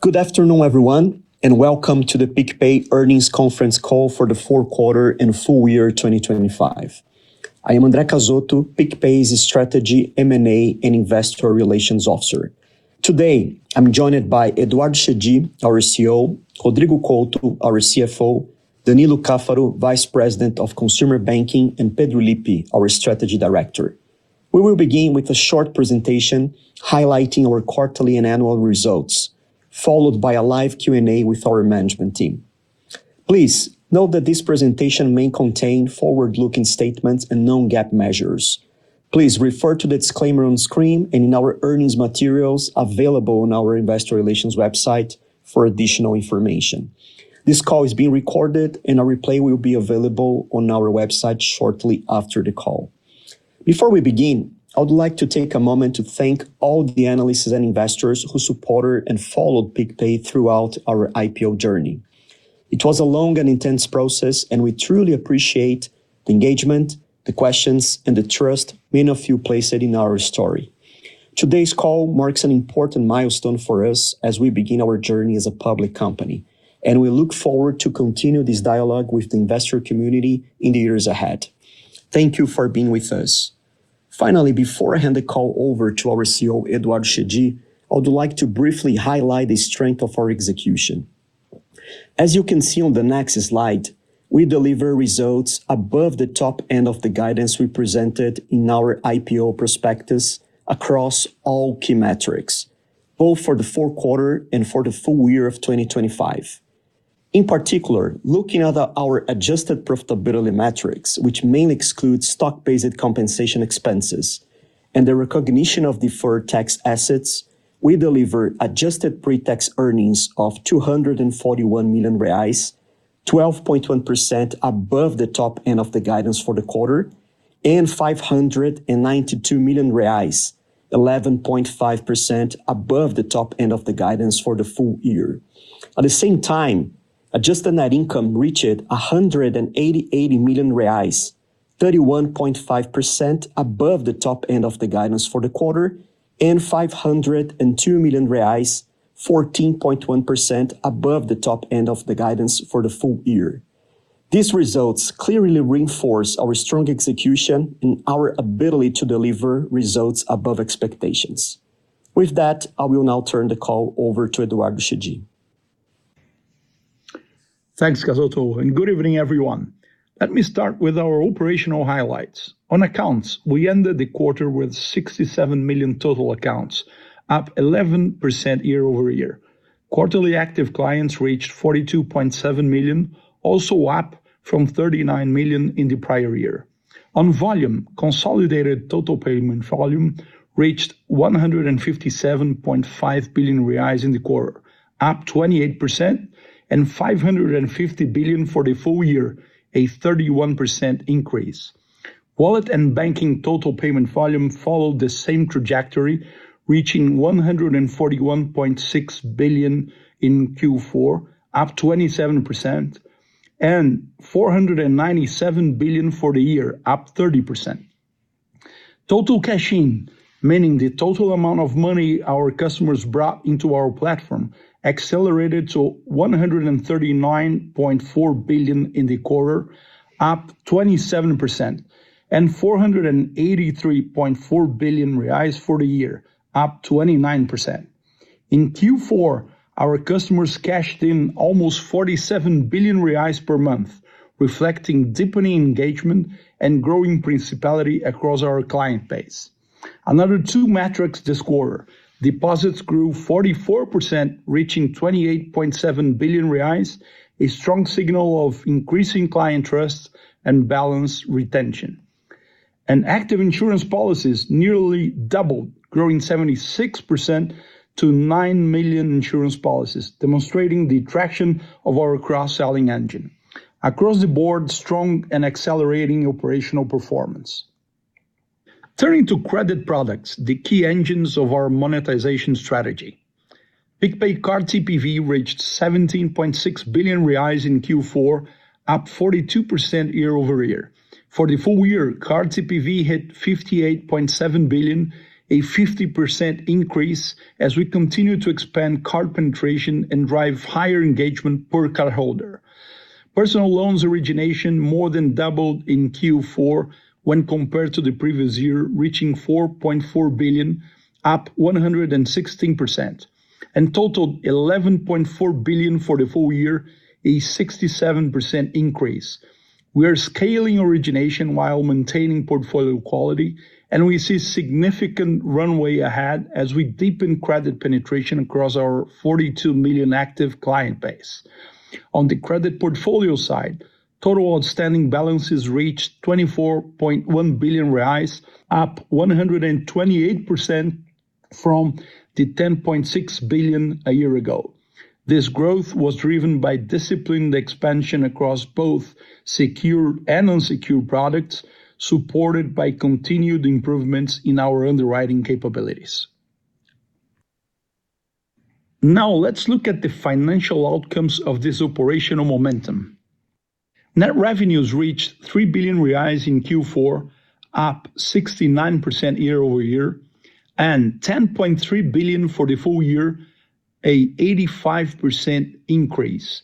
Good afternoon, everyone, and welcome to the PicPay Earnings Conference Call for the fourth quarter and full year 2025. I am André Cazotto, PicPay's Strategy, M&A, and Investor Relations Officer. Today, I'm joined by Eduardo Chedid, our CEO, Rodrigo Couto, our CFO, Danilo Caffaro, Vice President of Consumer Banking, and Pedro Lippi, our Strategy Director. We will begin with a short presentation highlighting our quarterly and annual results, followed by a live Q&A with our management team. Please note that this presentation may contain forward-looking statements and non-GAAP measures. Please refer to the disclaimer on screen and in our earnings materials available on our investor relations website for additional information. This call is being recorded, and a replay will be available on our website shortly after the call. Before we begin, I would like to take a moment to thank all the analysts and investors who supported and followed PicPay throughout our IPO journey. It was a long and intense process, and we truly appreciate the engagement, the questions, and the trust many of you placed in it our story. Today's call marks an important milestone for us as we begin our journey as a public company, and we look forward to continue this dialogue with the investor community in the years ahead. Thank you for being with us. Finally, before I hand the call over to our CEO, Eduardo Chedid, I would like to briefly highlight the strength of our execution. As you can see on the next slide, we deliver results above the top end of the guidance we presented in our IPO prospectus across all key metrics, both for the fourth quarter and for the full year of 2025. In particular, looking at our adjusted profitability metrics, which mainly excludes stock-based compensation expenses and the recognition of deferred tax assets, we deliver adjusted pre-tax earnings of 241 million reais, 12.1% above the top end of the guidance for the quarter, and 592 million reais, 11.5% above the top end of the guidance for the full year. At the same time, adjusted net income reached 180 million reais, 31.5% above the top end of the guidance for the quarter, and 502 million reais, 14.1% above the top end of the guidance for the full year. These results clearly reinforce our strong execution and our ability to deliver results above expectations. With that, I will now turn the call over to Eduardo Chedid. Thanks, Cazotto, and good evening, everyone. Let me start with our operational highlights. On accounts, we ended the quarter with 67 million total accounts, up 11% year-over-year. Quarterly active clients reached 42.7 million, also up from 39 million in the prior year. On volume, consolidated total payment volume reached 157.5 billion reais in the quarter, up 28%, and 550 billion for the full year, a 31% increase. Wallet and banking total payment volume followed the same trajectory, reaching 141.6 billion in Q4, up 27%, and 497 billion for the year, up 30%. Total cash-in, meaning the total amount of money our customers brought into our platform, accelerated to 139.4 billion in the quarter, up 27%, and 483.4 billion reais for the year, up 29%. In Q4, our customers cashed in almost 47 billion reais per month, reflecting deepening engagement and growing penetration across our client base. Another two metrics this quarter. Deposits grew 44%, reaching 28.7 billion reais, a strong signal of increasing client trust and balance retention. Active insurance policies nearly doubled, growing 76% to nine million insurance policies, demonstrating the traction of our cross-selling engine. Across the board, strong and accelerating operational performance. Turning to credit products, the key engines of our monetization strategy. PicPay Card TPV reached 17.6 billion reais in Q4, up 42% year-over-year. For the full year, card TPV hit 58.7 billion, a 50% increase as we continue to expand card penetration and drive higher engagement per cardholder. Personal loans origination more than doubled in Q4 when compared to the previous year, reaching 4.4 billion, up 116%, and totaled 11.4 billion for the full year, a 67% increase. We are scaling origination while maintaining portfolio quality, and we see significant runway ahead as we deepen credit penetration across our 42 million active client base. On the credit portfolio side, total outstanding balances reached 24.1 billion reais, up 128% from the 10.6 billion a year ago. This growth was driven by disciplined expansion across both secured and unsecured products, supported by continued improvements in our underwriting capabilities. Now let's look at the financial outcomes of this operational momentum. Net revenues reached 3 billion reais in Q4, up 69% year-over-year, and 10.3 billion for the full year, an 85% increase.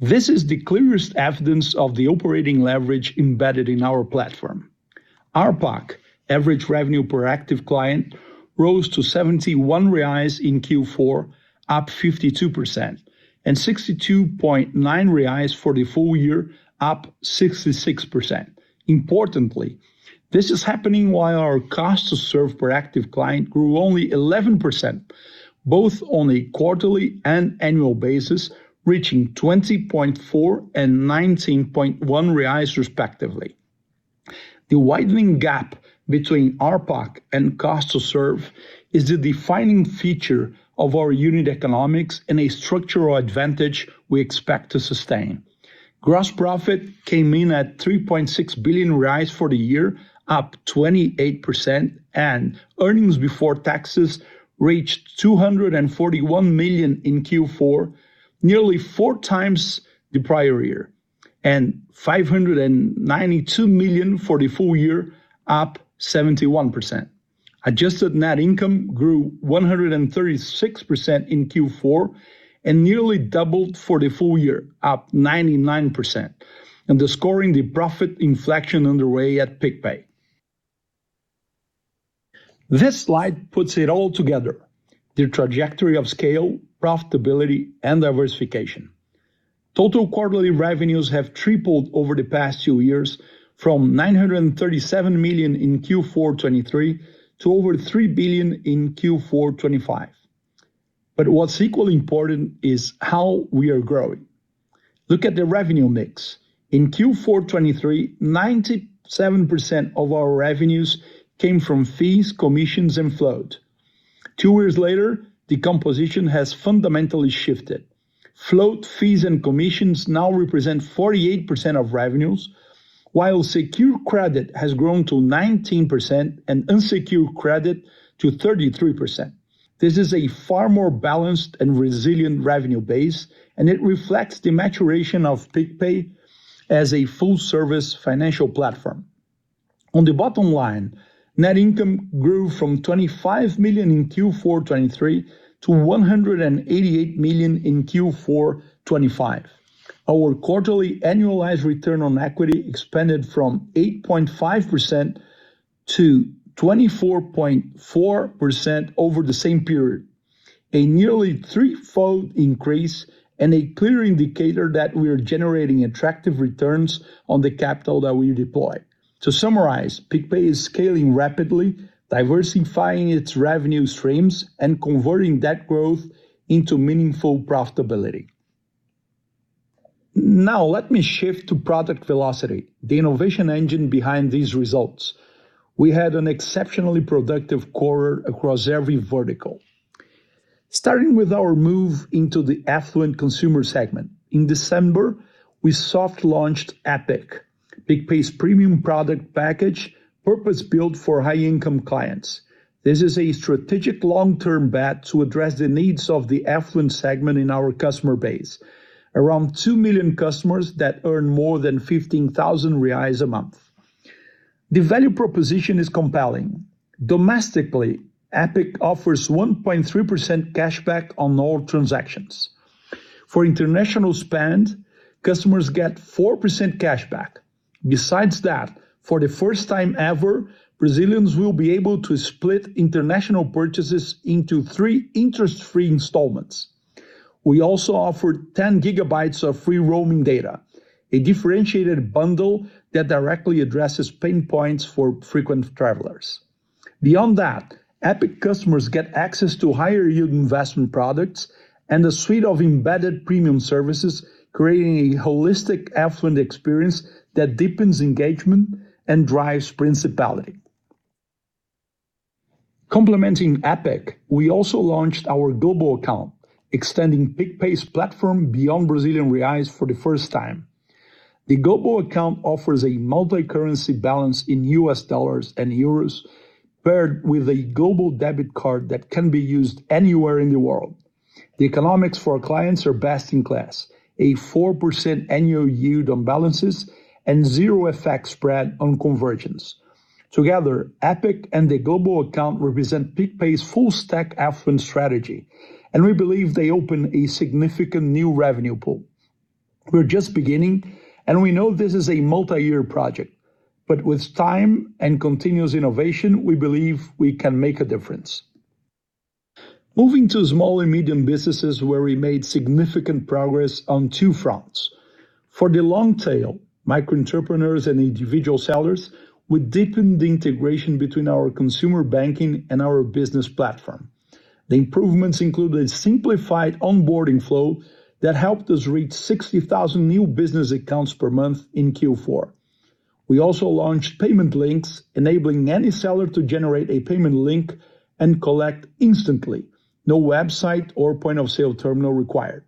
This is the clearest evidence of the operating leverage embedded in our platform. ARPAC, Average Revenue Per Active Client, rose to 71 reais in Q4, up 52%, and 62.9 reais for the full year, up 66%. Importantly, this is happening while our cost to serve per active client grew only 11%, both on a quarterly and annual basis, reaching 20.4 and 19.1 reais respectively. The widening gap between ARPAC and cost to serve is the defining feature of our unit economics and a structural advantage we expect to sustain. Gross profit came in at 3.6 billion for the year, up 28%, and earnings before taxes reached 241 million in Q4, nearly four times the prior year, and 592 million for the full year, up 71%. Adjusted net income grew 136% in Q4 and nearly doubled for the full year, up 99%, underscoring the profit inflection underway at PicPay. This slide puts it all together, the trajectory of scale, profitability, and diversification. Total quarterly revenues have tripled over the past two years from 937 million in Q4 2023 to over 3 billion in Q4 2025. What's equally important is how we are growing. Look at the revenue mix. In Q4 2023, 97% of our revenues came from fees, commissions, and float. Two years later, the composition has fundamentally shifted. Float fees and commissions now represent 48% of revenues, while secure credit has grown to 19% and unsecured credit to 33%. This is a far more balanced and resilient revenue base, and it reflects the maturation of PicPay as a full-service financial platform. On the bottom line, net income grew from 25 million in Q4 2023 to 188 million in Q4 2025. Our quarterly annualized return on equity expanded from 8.5% to 24.4% over the same period, a nearly threefold increase and a clear indicator that we are generating attractive returns on the capital that we deploy. To summarize, PicPay is scaling rapidly, diversifying its revenue streams, and converting that growth into meaningful profitability. Now let me shift to product velocity, the innovation engine behind these results. We had an exceptionally productive quarter across every vertical. Starting with our move into the affluent consumer segment. In December, we soft-launched Epic, PicPay's premium product package purpose-built for high-income clients. This is a strategic long-term bet to address the needs of the affluent segment in our customer base, around two million customers that earn more than 15,000 reais a month. The value proposition is compelling. Domestically, Epic offers 1.3% cashback on all transactions. For international spend, customers get 4% cashback. Besides that, for the first time ever, Brazilians will be able to split international purchases into three interest-free installments. We also offer 10 GB of free roaming data, a differentiated bundle that directly addresses pain points for frequent travelers. Beyond that, Epic customers get access to higher-yield investment products and a suite of embedded premium services, creating a holistic affluent experience that deepens engagement and drives profitability. Complementing Epic, we also launched our Global Account, extending PicPay's platform beyond Brazilian reais for the first time. The Global Account offers a multicurrency balance in U.S. dollars and euros paired with a global debit card that can be used anywhere in the world. The economics for our clients are best in class, a 4% annual yield on balances and zero-fee spread on conversions. Together, Epic and the Global Account represent PicPay's full-stack affluent strategy, and we believe they open a significant new revenue pool. We're just beginning, and we know this is a multi-year project, but with time and continuous innovation, we believe we can make a difference. Moving to small and medium businesses where we made significant progress on two fronts. For the long tail, micro entrepreneurs and individual sellers, we deepened the integration between our consumer banking and our business platform. The improvements include a simplified onboarding flow that helped us reach 60,000 new business accounts per month in Q4. We also launched payment links, enabling any seller to generate a payment link and collect instantly, no website or point-of-sale terminal required.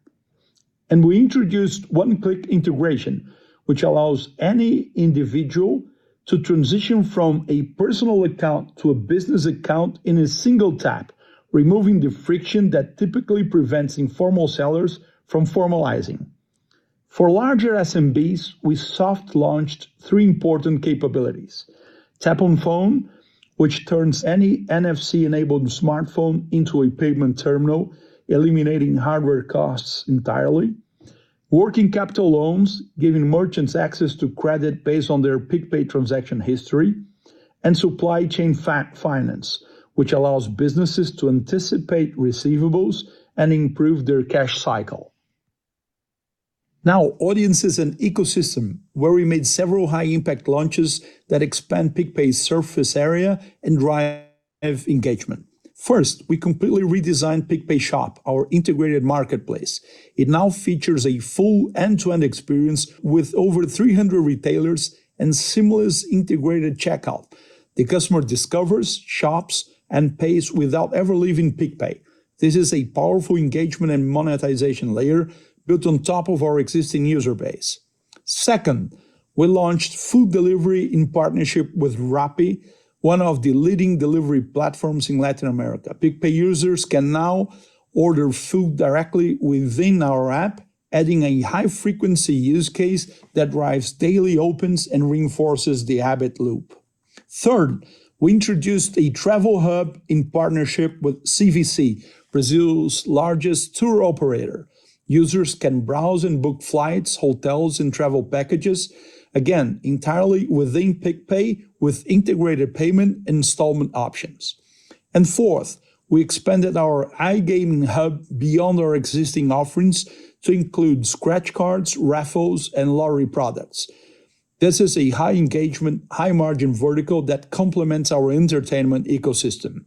We introduced one-click integration, which allows any individual to transition from a personal account to a business account in a single tap, removing the friction that typically prevents informal sellers from formalizing. For larger SMBs, we soft launched three important capabilities. Tap-on-phone, which turns any NFC-enabled smartphone into a payment terminal, eliminating hardware costs entirely. Working capital loans, giving merchants access to credit based on their PicPay transaction history, and supply chain finance, which allows businesses to anticipate receivables and improve their cash cycle. Now, our B2B is an ecosystem where we made several high-impact launches that expand PicPay's surface area and drive active engagement. First, we completely redesigned PicPay Shop, our integrated marketplace. It now features a full end-to-end experience with over 300 retailers and seamless integrated checkout. The customer discovers, shops, and pays without ever leaving PicPay. This is a powerful engagement and monetization layer built on top of our existing user base. Second, we launched food delivery in partnership with Rappi, one of the leading delivery platforms in Latin America. PicPay users can now order food directly within our app, adding a high-frequency use case that drives daily opens and reinforces the habit loop. Third, we introduced a travel hub in partnership with CVC, Brazil's largest tour operator. Users can browse and book flights, hotels, and travel packages, again, entirely within PicPay with integrated payment installment options. Fourth, we expanded our iGaming hub beyond our existing offerings to include scratch cards, raffles, and lottery products. This is a high-engagement, high-margin vertical that complements our entertainment ecosystem.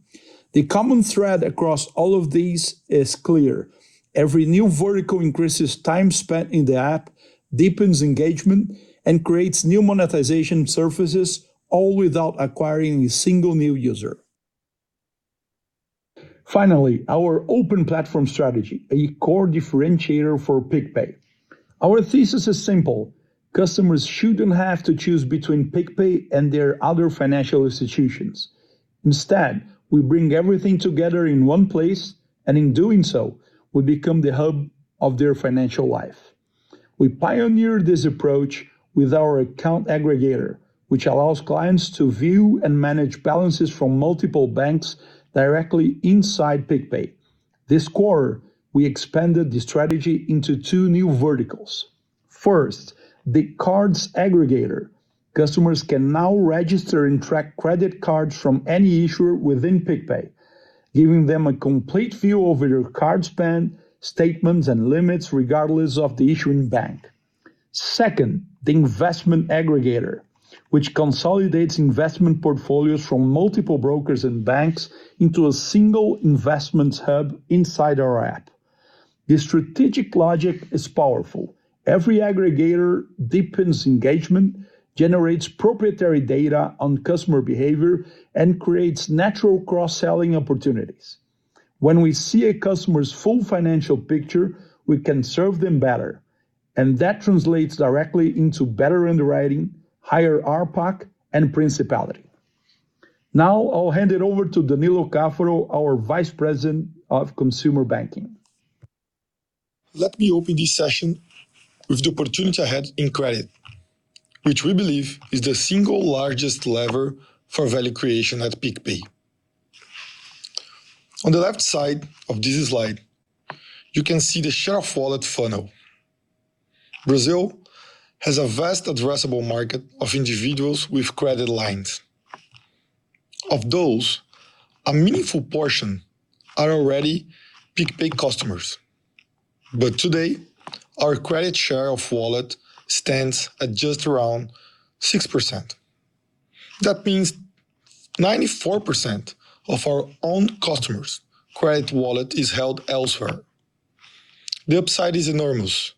The common thread across all of these is clear. Every new vertical increases time spent in the app, deepens engagement, and creates new monetization surfaces, all without acquiring a single new user. Finally, our open platform strategy, a core differentiator for PicPay. Our thesis is simple. Customers shouldn't have to choose between PicPay and their other financial institutions. Instead, we bring everything together in one place, and in doing so, we become the hub of their financial life. We pioneered this approach with our account aggregator, which allows clients to view and manage balances from multiple banks directly inside PicPay. This quarter, we expanded the strategy into two new verticals. First, the cards aggregator. Customers can now register and track credit cards from any issuer within PicPay, giving them a complete view over their card spend, statements, and limits regardless of the issuing bank. Second, the investment aggregator, which consolidates investment portfolios from multiple brokers and banks into a single investments hub inside our app. The strategic logic is powerful. Every aggregator deepens engagement, generates proprietary data on customer behavior, and creates natural cross-selling opportunities. When we see a customer's full financial picture, we can serve them better, and that translates directly into better underwriting, higher ARPAC, and profitability. Now I'll hand it over to Danilo Caffaro, our Vice President of Consumer Banking. Let me open this session with the opportunity ahead in credit, which we believe is the single largest lever for value creation at PicPay. On the left side of this slide, you can see the share of wallet funnel. Brazil has a vast addressable market of individuals with credit lines. Of those, a meaningful portion are already PicPay customers. Today, our credit share of wallet stands at just around 6%. That means 94% of our own customers' credit wallet is held elsewhere. The upside is enormous,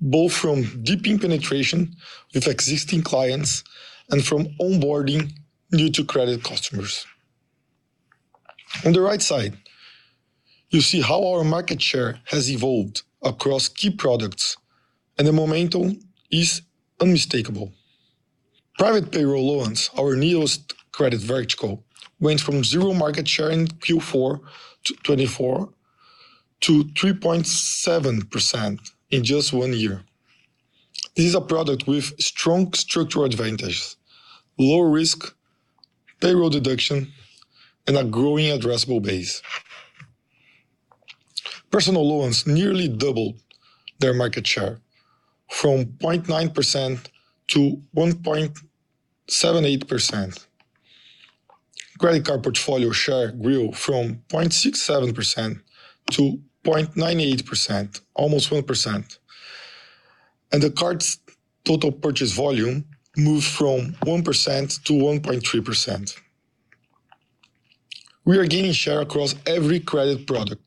both from deepening penetration with existing clients and from onboarding new-to-credit customers. On the right side, you see how our market share has evolved across key products, and the momentum is unmistakable. Private payroll loans, our newest credit vertical, went from 0% market share in Q4 2024 to 3.7% in just one year. This is a product with strong structural advantage, low risk, payroll deduction, and a growing addressable base. Personal loans nearly doubled their market share from 0.9%-1.78%. Credit card portfolio share grew from 0.67%-0.98%, almost 1%. The card's total purchase volume moved from 1%-1.3%. We are gaining share across every credit product,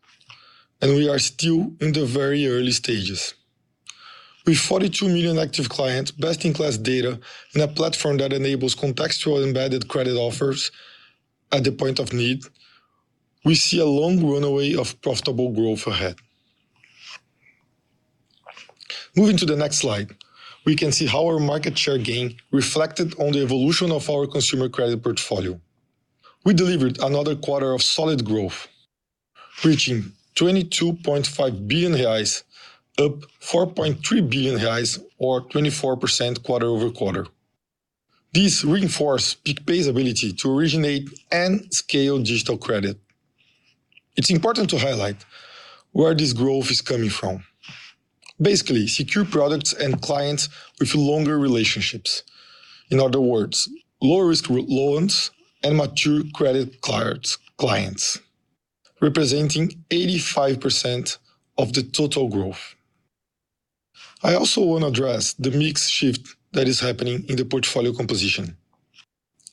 and we are still in the very early stages. With 42 million active clients, best-in-class data, and a platform that enables contextual embedded credit offers at the point of need, we see a long runway of profitable growth ahead. Moving to the next slide, we can see how our market share gain reflected on the evolution of our consumer credit portfolio. We delivered another quarter of solid growth, reaching 22.5 billion reais, up 4.3 billion reais or 24% quarter-over-quarter. This reinforce PicPay's ability to originate and scale digital credit. It's important to highlight where this growth is coming from. Basically, secure products and clients with longer relationships. In other words, low-risk loans and mature credit cards clients representing 85% of the total growth. I also wanna address the mix shift that is happening in the portfolio composition.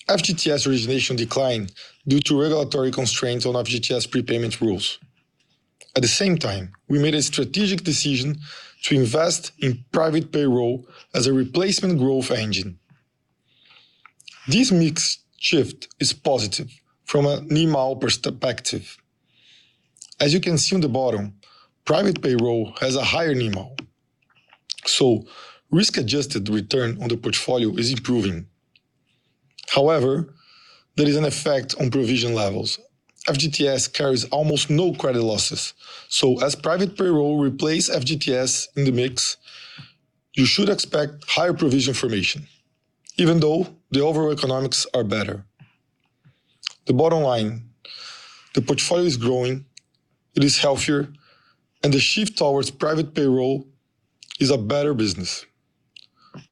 FGTS origination declined due to regulatory constraints on FGTS prepayment rules. At the same time, we made a strategic decision to invest in private payroll as a replacement growth engine. This mix shift is positive from a NIM perspective. As you can see on the bottom, private payroll has a higher NIM, so risk-adjusted return on the portfolio is improving. However, there is an effect on provision levels. FGTS carries almost no credit losses. As private payroll replace FGTS in the mix, you should expect higher provision formation even though the overall economics are better. The bottom line, the portfolio is growing, it is healthier, and the shift towards private payroll is a better business,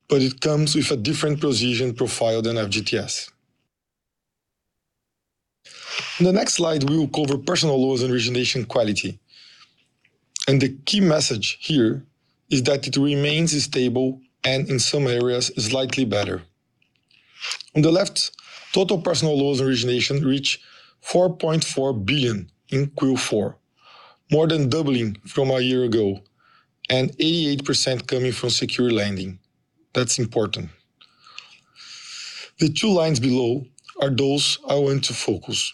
but it comes with a different provision profile than FGTS. In the next slide, we will cover personal loans origination quality. The key message here is that it remains stable and in some areas slightly better. On the left, total personal loans origination reach 4.4 billion in Q4, more than doubling from a year ago and 88% coming from secure lending. That's important. The two lines below are those I want to focus.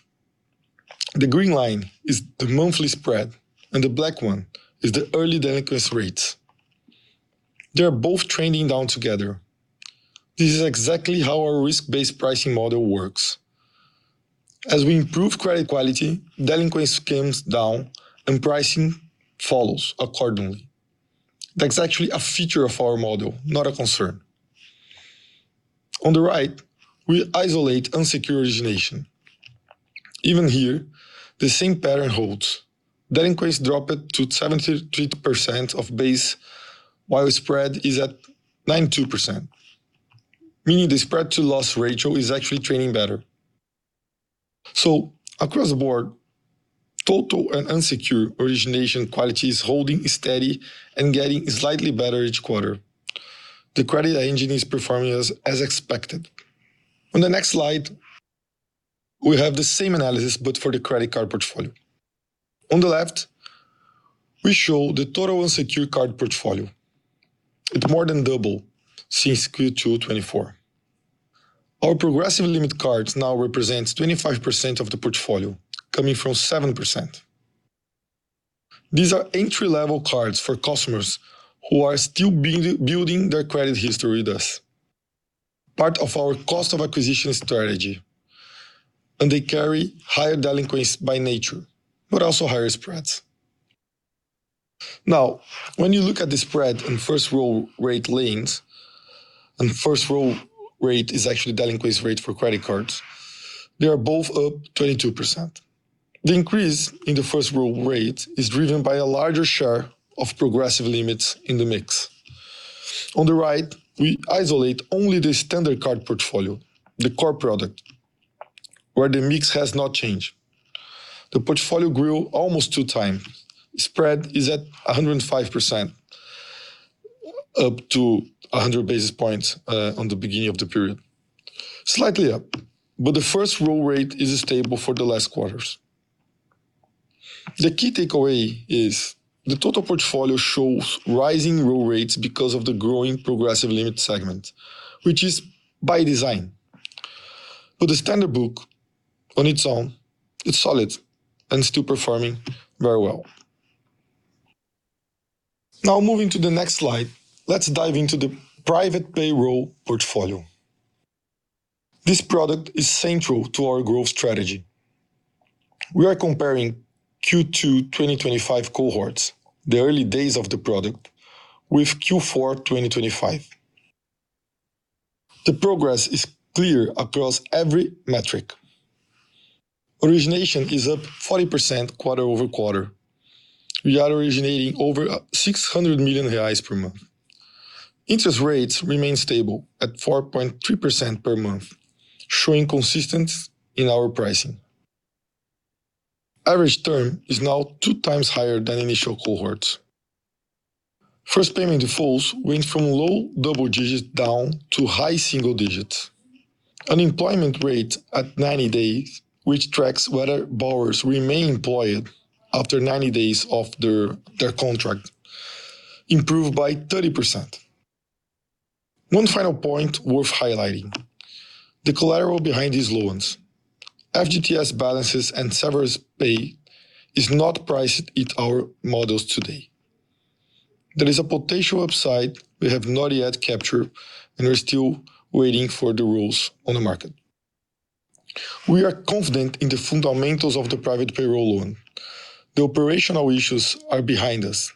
The green line is the monthly spread and the black one is the early delinquency rates. They are both trending down together. This is exactly how our risk-based pricing model works. As we improve credit quality, delinquency comes down and pricing follows accordingly. That's actually a feature of our model, not a concern. On the right, we isolate unsecured origination. Even here, the same pattern holds. Delinquency dropped to 73% of base, while spread is at 92%, meaning the spread to loss ratio is actually trending better. Across the board, total and unsecured origination quality is holding steady and getting slightly better each quarter. The credit engine is performing as expected. On the next slide, we have the same analysis, but for the credit card portfolio. On the left, we show the total unsecured card portfolio. It more than double since Q2 2024. Our progressive limit cards now represents 25% of the portfolio coming from 7%. These are entry-level cards for customers who are still building their credit history with us. Part of our cost of acquisition strategy, and they carry higher delinquencies by nature, but also higher spreads. Now, when you look at the spread and first roll rate lens, and first roll rate is actually delinquency rate for credit cards, they are both up 22%. The increase in the first roll rate is driven by a larger share of progressive limits in the mix. On the right, we isolate only the standard card portfolio, the core product where the mix has not changed. The portfolio grew almost 2x. Spread is at 105%, up 100 basis points on the beginning of the period. Slightly up, but the first roll rate is stable for the last quarters. The key takeaway is the total portfolio shows rising roll rates because of the growing progressive limit segment, which is by design. The standard book on its own, it's solid and still performing very well. Now moving to the next slide, let's dive into the private payroll portfolio. This product is central to our growth strategy. We are comparing Q2 2025 cohorts, the early days of the product, with Q4 2025. The progress is clear across every metric. Origination is up 40% quarter-over-quarter. We are originating over 600 million reais per month. Interest rates remain stable at 4.3% per month, showing consistency in our pricing. Average term is now two times higher than initial cohorts. First payment defaults went from low double digits down to high single digits. Unemployment rate at 90 days, which tracks whether borrowers remain employed after 90 days of their contract improved by 30%. One final point worth highlighting. The collateral behind these loans. FGTS balances and severance pay is not priced in our models today. There is a potential upside we have not yet captured, and we're still waiting for the rules on the market. We are confident in the fundamentals of the private payroll loan. The operational issues are behind us.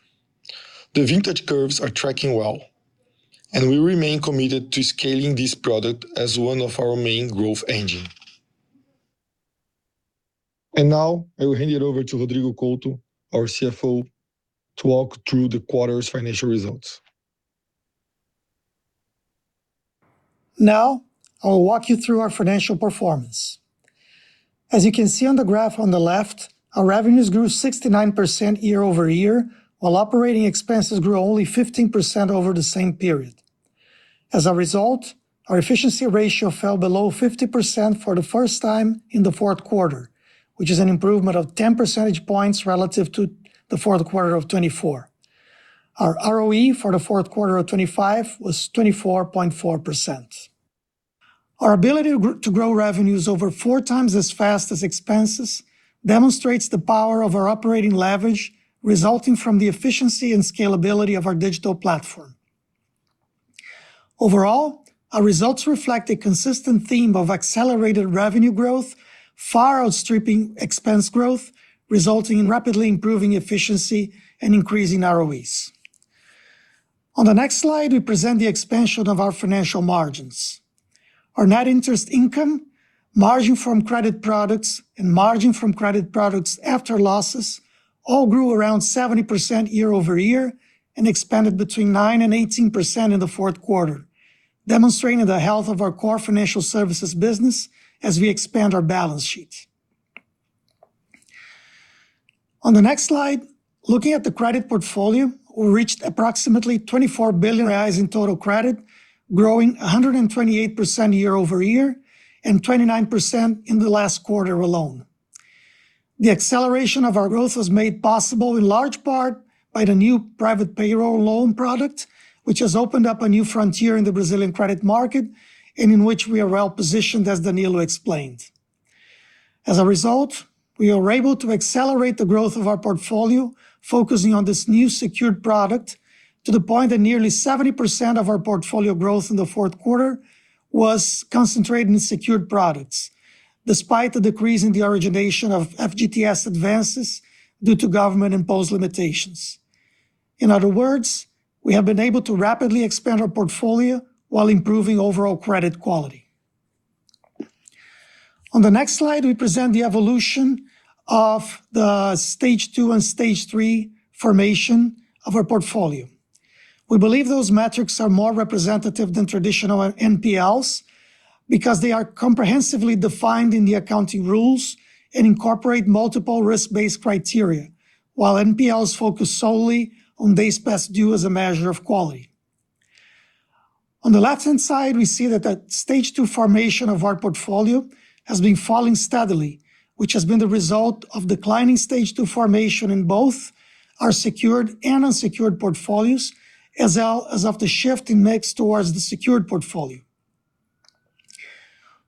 The vintage curves are tracking well, and we remain committed to scaling this product as one of our main growth engine. Now I will hand it over to Rodrigo Couto, our CFO, to walk through the quarter's financial results. Now I will walk you through our financial performance. As you can see on the graph on the left, our revenues grew 69% year-over-year, while operating expenses grew only 15% over the same period. As a result, our efficiency ratio fell below 50% for the first time in the fourth quarter, which is an improvement of 10 percentage points relative to the fourth quarter of 2024. Our ROE for the fourth quarter of 2025 was 24.4%. Our ability to grow revenues over 4x as fast as expenses demonstrates the power of our operating leverage resulting from the efficiency and scalability of our digital platform. Overall, our results reflect a consistent theme of accelerated revenue growth, far outstripping expense growth, resulting in rapidly improving efficiency and increasing ROEs. On the next slide, we present the expansion of our financial margins. Our net interest income, margin from credit products, and margin from credit products after losses all grew around 70% year-over-year and expanded between 9%-18% in the fourth quarter, demonstrating the health of our core financial services business as we expand our balance sheet. On the next slide, looking at the credit portfolio, we reached approximately 24 billion reais in total credit, growing 128% year-over-year and 29% in the last quarter alone. The acceleration of our growth was made possible in large part by the new private payroll loan product, which has opened up a new frontier in the Brazilian credit market and in which we are well positioned, as Danilo explained. As a result, we are able to accelerate the growth of our portfolio, focusing on this new secured product to the point that nearly 70% of our portfolio growth in the fourth quarter was concentrated in secured products despite the decrease in the origination of FGTS advances due to government-imposed limitations. In other words, we have been able to rapidly expand our portfolio while improving overall credit quality. On the next slide, we present the evolution of the stage two and stage three formation of our portfolio. We believe those metrics are more representative than traditional NPLs because they are comprehensively defined in the accounting rules and incorporate multiple risk-based criteria while NPLs focus solely on days past due as a measure of quality. On the left-hand side, we see that the stage two formation of our portfolio has been falling steadily, which has been the result of declining stage two formation in both our secured and unsecured portfolios, as well as of the shift in mix towards the secured portfolio.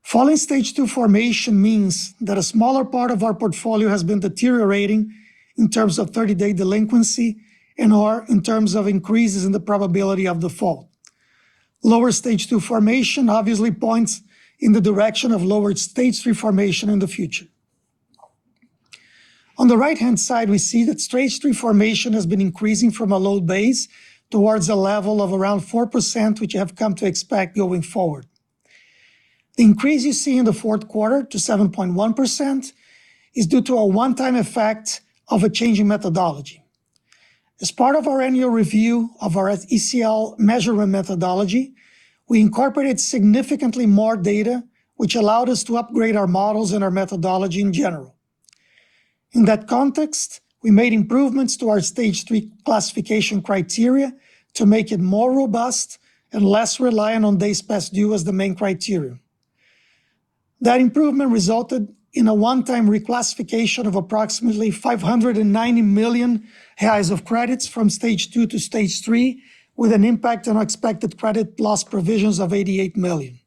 Falling stage two formation means that a smaller part of our portfolio has been deteriorating in terms of 30-day delinquency and/or in terms of increases in the probability of default. Lower stage two formation obviously points in the direction of lowered stage three formation in the future. On the right-hand side, we see that stage three formation has been increasing from a low base towards a level of around 4%, which we have come to expect going forward. The increase you see in the fourth quarter to 7.1% is due to a one-time effect of a change in methodology. As part of our annual review of our ECL measurement methodology, we incorporated significantly more data which allowed us to upgrade our models and our methodology in general. In that context, we made improvements to our stage three classification criteria to make it more robust and less reliant on days past due as the main criterion. That improvement resulted in a one-time reclassification of approximately 590 million of credits from stage two to stage three with an impact on expected credit loss provisions of 88 million.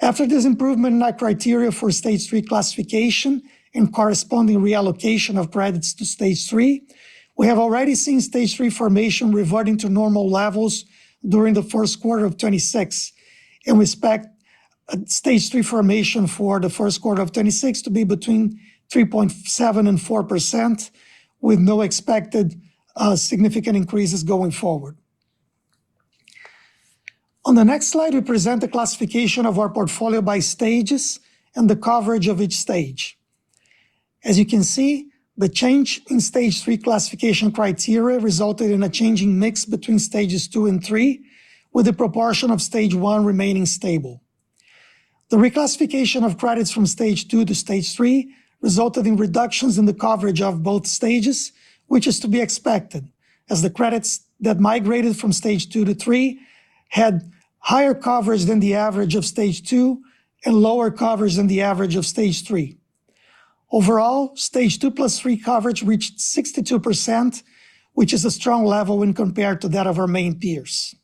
After this improvement in our criteria for stage three classification and corresponding reallocation of credits to stage three, we have already seen stage three formation reverting to normal levels during the first quarter of 2026, and we expect stage three formation for the first quarter of 2026 to be between 3.7% and 4% with no expected significant increases going forward. On the next slide, we present the classification of our portfolio by stages and the coverage of each stage. As you can see, the change in stage three classification criteria resulted in a changing mix between stages two and three with the proportion of stage one remaining stable. The reclassification of credits from stage two to stage three resulted in reductions in the coverage of both stages, which is to be expected, as the credits that migrated from stage two to three had higher coverage than the average of stage two and lower coverage than the average of stage three. Overall, stage two plus three coverage reached 62%, which is a strong level when compared to that of our main peers.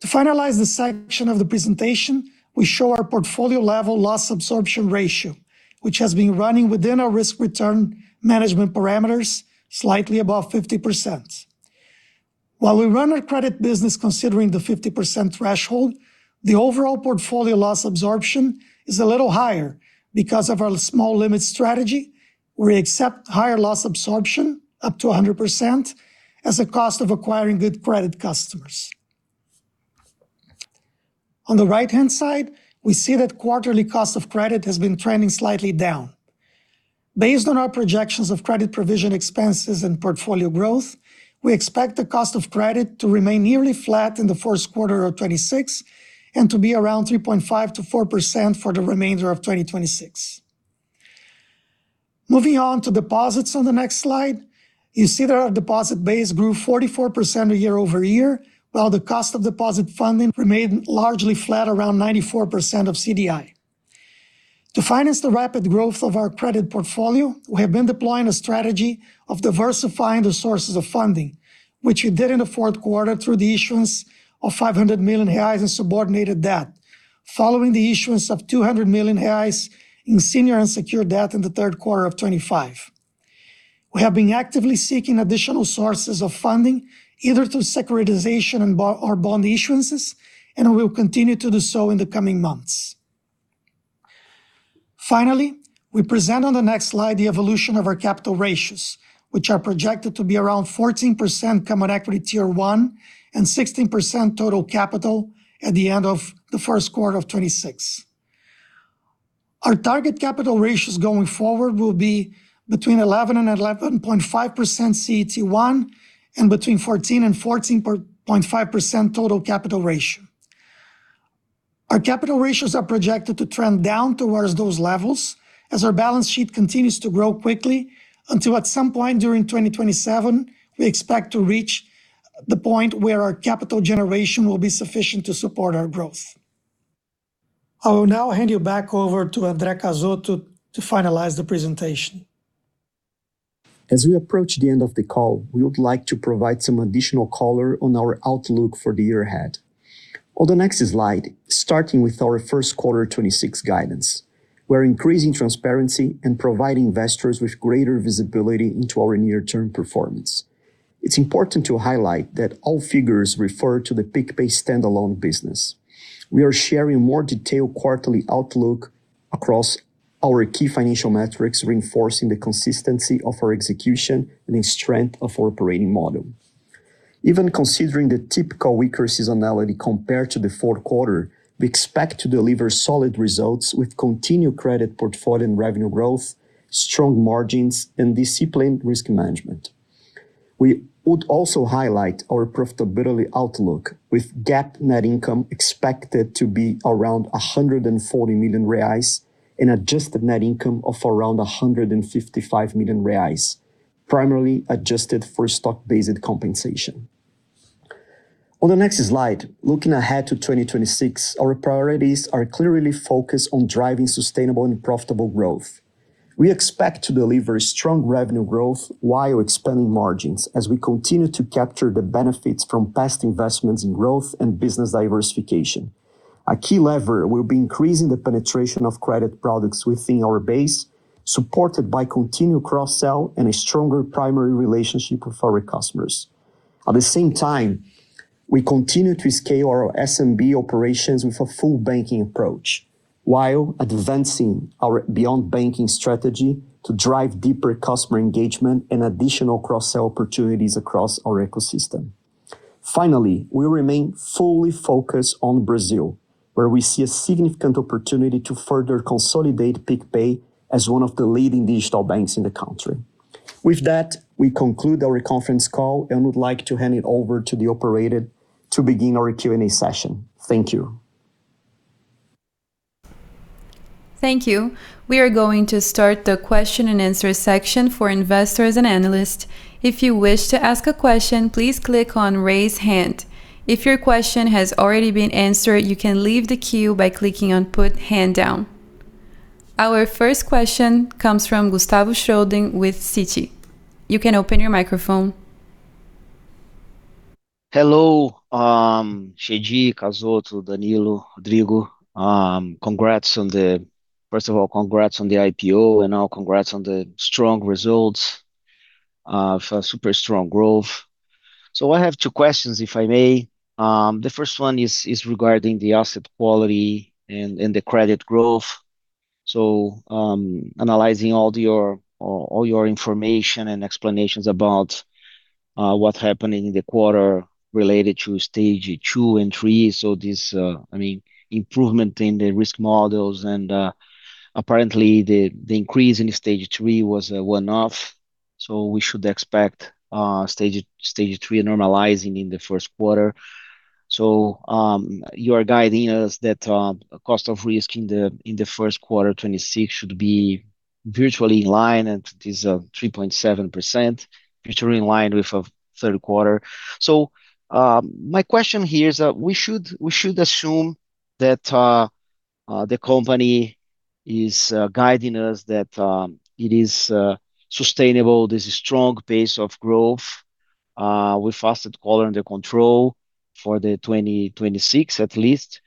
To finalize this section of the presentation, we show our portfolio level loss absorption ratio, which has been running within our risk return management parameters slightly above 50%. While we run our credit business considering the 50% threshold, the overall portfolio loss absorption is a little higher because of our small limits strategy where we accept higher loss absorption up to a 100% as a cost of acquiring good credit customers. On the right-hand side, we see that quarterly cost of credit has been trending slightly down. Based on our projections of credit provision expenses and portfolio growth, we expect the cost of credit to remain nearly flat in the first quarter of 2026 and to be around 3.5%-4% for the remainder of 2026. Moving on to deposits on the next slide, you see that our deposit base grew 44% year-over-year, while the cost of deposit funding remained largely flat around 94% of CDI. To finance the rapid growth of our credit portfolio, we have been deploying a strategy of diversifying the sources of funding, which we did in the fourth quarter through the issuance of 500 million reais in subordinated debt following the issuance of 200 million reais in senior unsecured debt in the third quarter of 2025. We have been actively seeking additional sources of funding either through securitization or bond issuances, and we will continue to do so in the coming months. Finally, we present on the next slide the evolution of our capital ratios, which are projected to be around 14% common equity tier one and 16% total capital at the end of the first quarter of 2026. Our target capital ratios going forward will be between 11% and 11.5% CET1 and between 14% and 14.5% total capital ratio. Our capital ratios are projected to trend down towards those levels as our balance sheet continues to grow quickly until at some point during 2027 we expect to reach the point where our capital generation will be sufficient to support our growth. I will now hand you back over to André Cazotto to finalize the presentation. As we approach the end of the call, we would like to provide some additional color on our outlook for the year ahead. On the next slide, starting with our first quarter 2026 guidance, we're increasing transparency and providing investors with greater visibility into our near-term performance. It's important to highlight that all figures refer to the PicPay standalone business. We are sharing more detailed quarterly outlook across our key financial metrics, reinforcing the consistency of our execution and the strength of our operating model. Even considering the typical weaker seasonality compared to the fourth quarter, we expect to deliver solid results with continued credit portfolio and revenue growth, strong margins, and disciplined risk management. We would also highlight our profitability outlook with GAAP net income expected to be around 140 million reais and adjusted net income of around 155 million reais, primarily adjusted for stock-based compensation. On the next slide, looking ahead to 2026, our priorities are clearly focused on driving sustainable and profitable growth. We expect to deliver strong revenue growth while expanding margins as we continue to capture the benefits from past investments in growth and business diversification. A key lever will be increasing the penetration of credit products within our base, supported by continued cross-sell and a stronger primary relationship with our customers. At the same time, we continue to scale our SMB operations with a full banking approach while advancing our beyond banking strategy to drive deeper customer engagement and additional cross-sell opportunities across our ecosystem. Finally, we remain fully focused on Brazil, where we see a significant opportunity to further consolidate PicPay as one of the leading digital banks in the country. With that, we conclude our conference call and would like to hand it over to the operator to begin our Q&A session. Thank you. Thank you. We are going to start the question and answer section for investors and analysts. If you wish to ask a question, please click on Raise Hand. If your question has already been answered, you can leave the queue by clicking on Put Hand Down. Our first question comes from Gustavo Schroden with Citi. You can open your microphone. Hello, Eduardo Chedid, André Cazotto, Danilo Caffaro, Rodrigo Couto. First of all, congrats on the IPO and now congrats on the strong results for super strong growth. I have two questions, if I may. The first one is regarding the asset quality and the credit growth. Analyzing all your information and explanations about what happened in the quarter related to stage two and three. This, I mean, improvement in the risk models and apparently the increase in stage three was a one-off, so we should expect stage three normalizing in the first quarter. You are guiding us that cost of risk in the first quarter 2026 should be virtually in line, and it is 3.7% virtually in line with third quarter. My question here is that we should assume that the company is guiding us that it is sustainable. There's a strong pace of growth with asset quality under control for 2026 at least.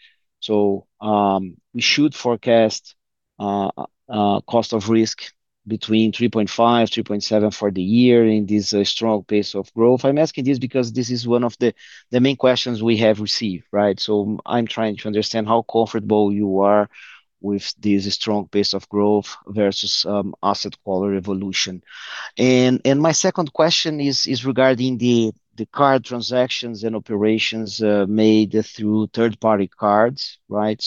We should forecast cost of risk between 3.5%-3.7% for the year in this strong pace of growth. I'm asking this because this is one of the main questions we have received, right? I'm trying to understand how comfortable you are with this strong pace of growth versus asset quality evolution. My second question is regarding the card transactions and operations made through third-party cards, right?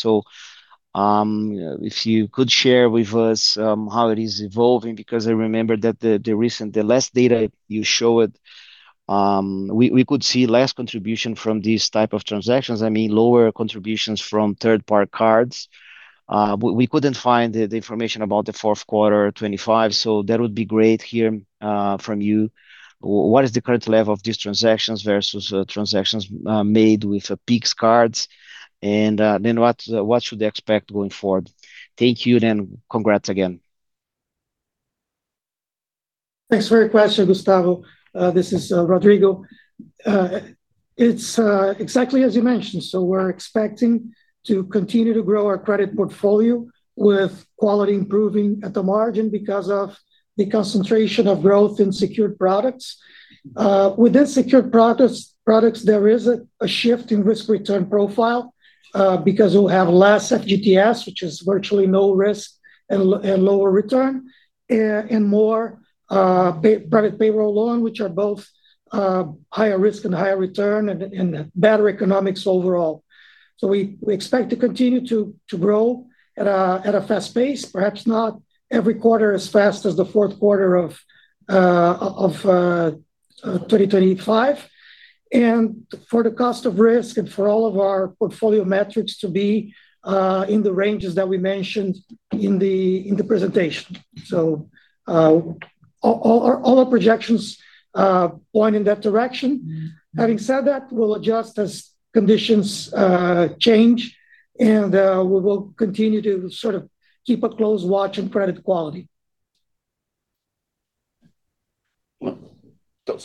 If you could share with us how it is evolving, because I remember that the last data you showed, we could see less contribution from these type of transactions. I mean, lower contributions from third-party cards. We couldn't find the information about the fourth quarter 2025, so that would be great hearing from you. What is the current level of these transactions versus transactions made with PicPay's cards? Then what should they expect going forward? Thank you, and congrats again. Thanks for your question, Gustavo. This is Rodrigo. It's exactly as you mentioned. We're expecting to continue to grow our credit portfolio with quality improving at the margin because of the concentration of growth in secured products. Within secured products, there is a shift in risk return profile because we'll have less FGTS, which is virtually no risk and lower return, and more private payroll loan, which are both higher risk and higher return and better economics overall. We expect to continue to grow at a fast pace, perhaps not every quarter as fast as the fourth quarter of 2025. For the cost of risk and for all of our portfolio metrics to be in the ranges that we mentioned in the presentation. All our projections point in that direction. Having said that, we'll adjust as conditions change and we will continue to sort of keep a close watch on credit quality.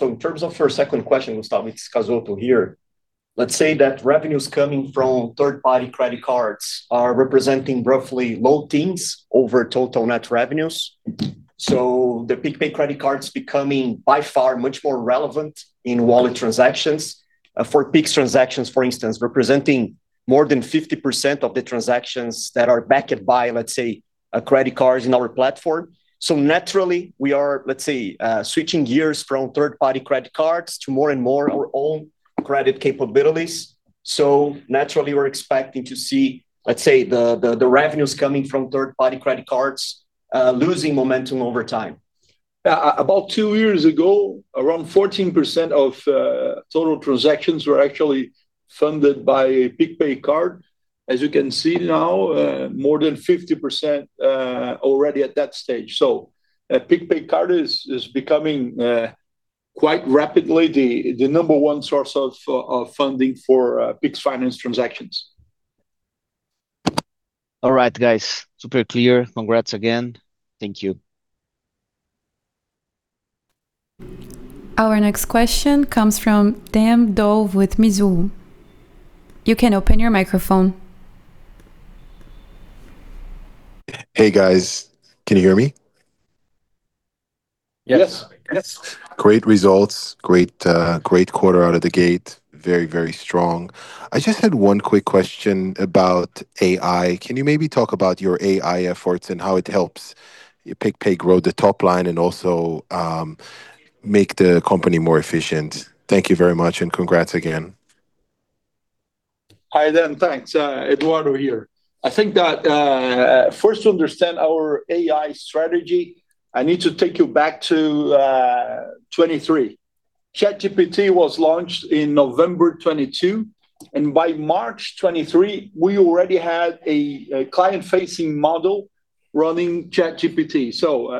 In terms of your second question, Gustavo, it's Cazotto here. Let's say that revenues coming from third-party credit cards are representing roughly low teens% over total net revenues. The PicPay credit card's becoming by far much more relevant in wallet transactions. For Pix transactions, for instance, representing more than 50% of the transactions that are backed by, let's say, credit cards in our platform. Naturally we are, let's say, switching gears from third-party credit cards to more and more our own credit capabilities. Naturally we're expecting to see, let's say, the revenues coming from third-party credit cards losing momentum over time. About two years ago, around 14% of total transactions were actually funded by PicPay Card. As you can see now, more than 50%, already at that stage. PicPay Card is becoming quite rapidly the number one source of funding for Pix finance transactions. All right, guys. Super clear. Congrats again. Thank you. Our next question comes from Dan Dolev with Mizuho. You can open your microphone. Hey, guys. Can you hear me? Yes. Yes. Great results. Great, great quarter out of the gate. Very, very strong. I just had one quick question about AI. Can you maybe talk about your AI efforts and how it helps PicPay grow the top line and also, make the company more efficient? Thank you very much, and congrats again. Hi Dan, thanks. Eduardo here. I think that first to understand our AI strategy, I need to take you back to 2023. ChatGPT was launched in November 2022, and by March 2023, we already had a client-facing model running ChatGPT.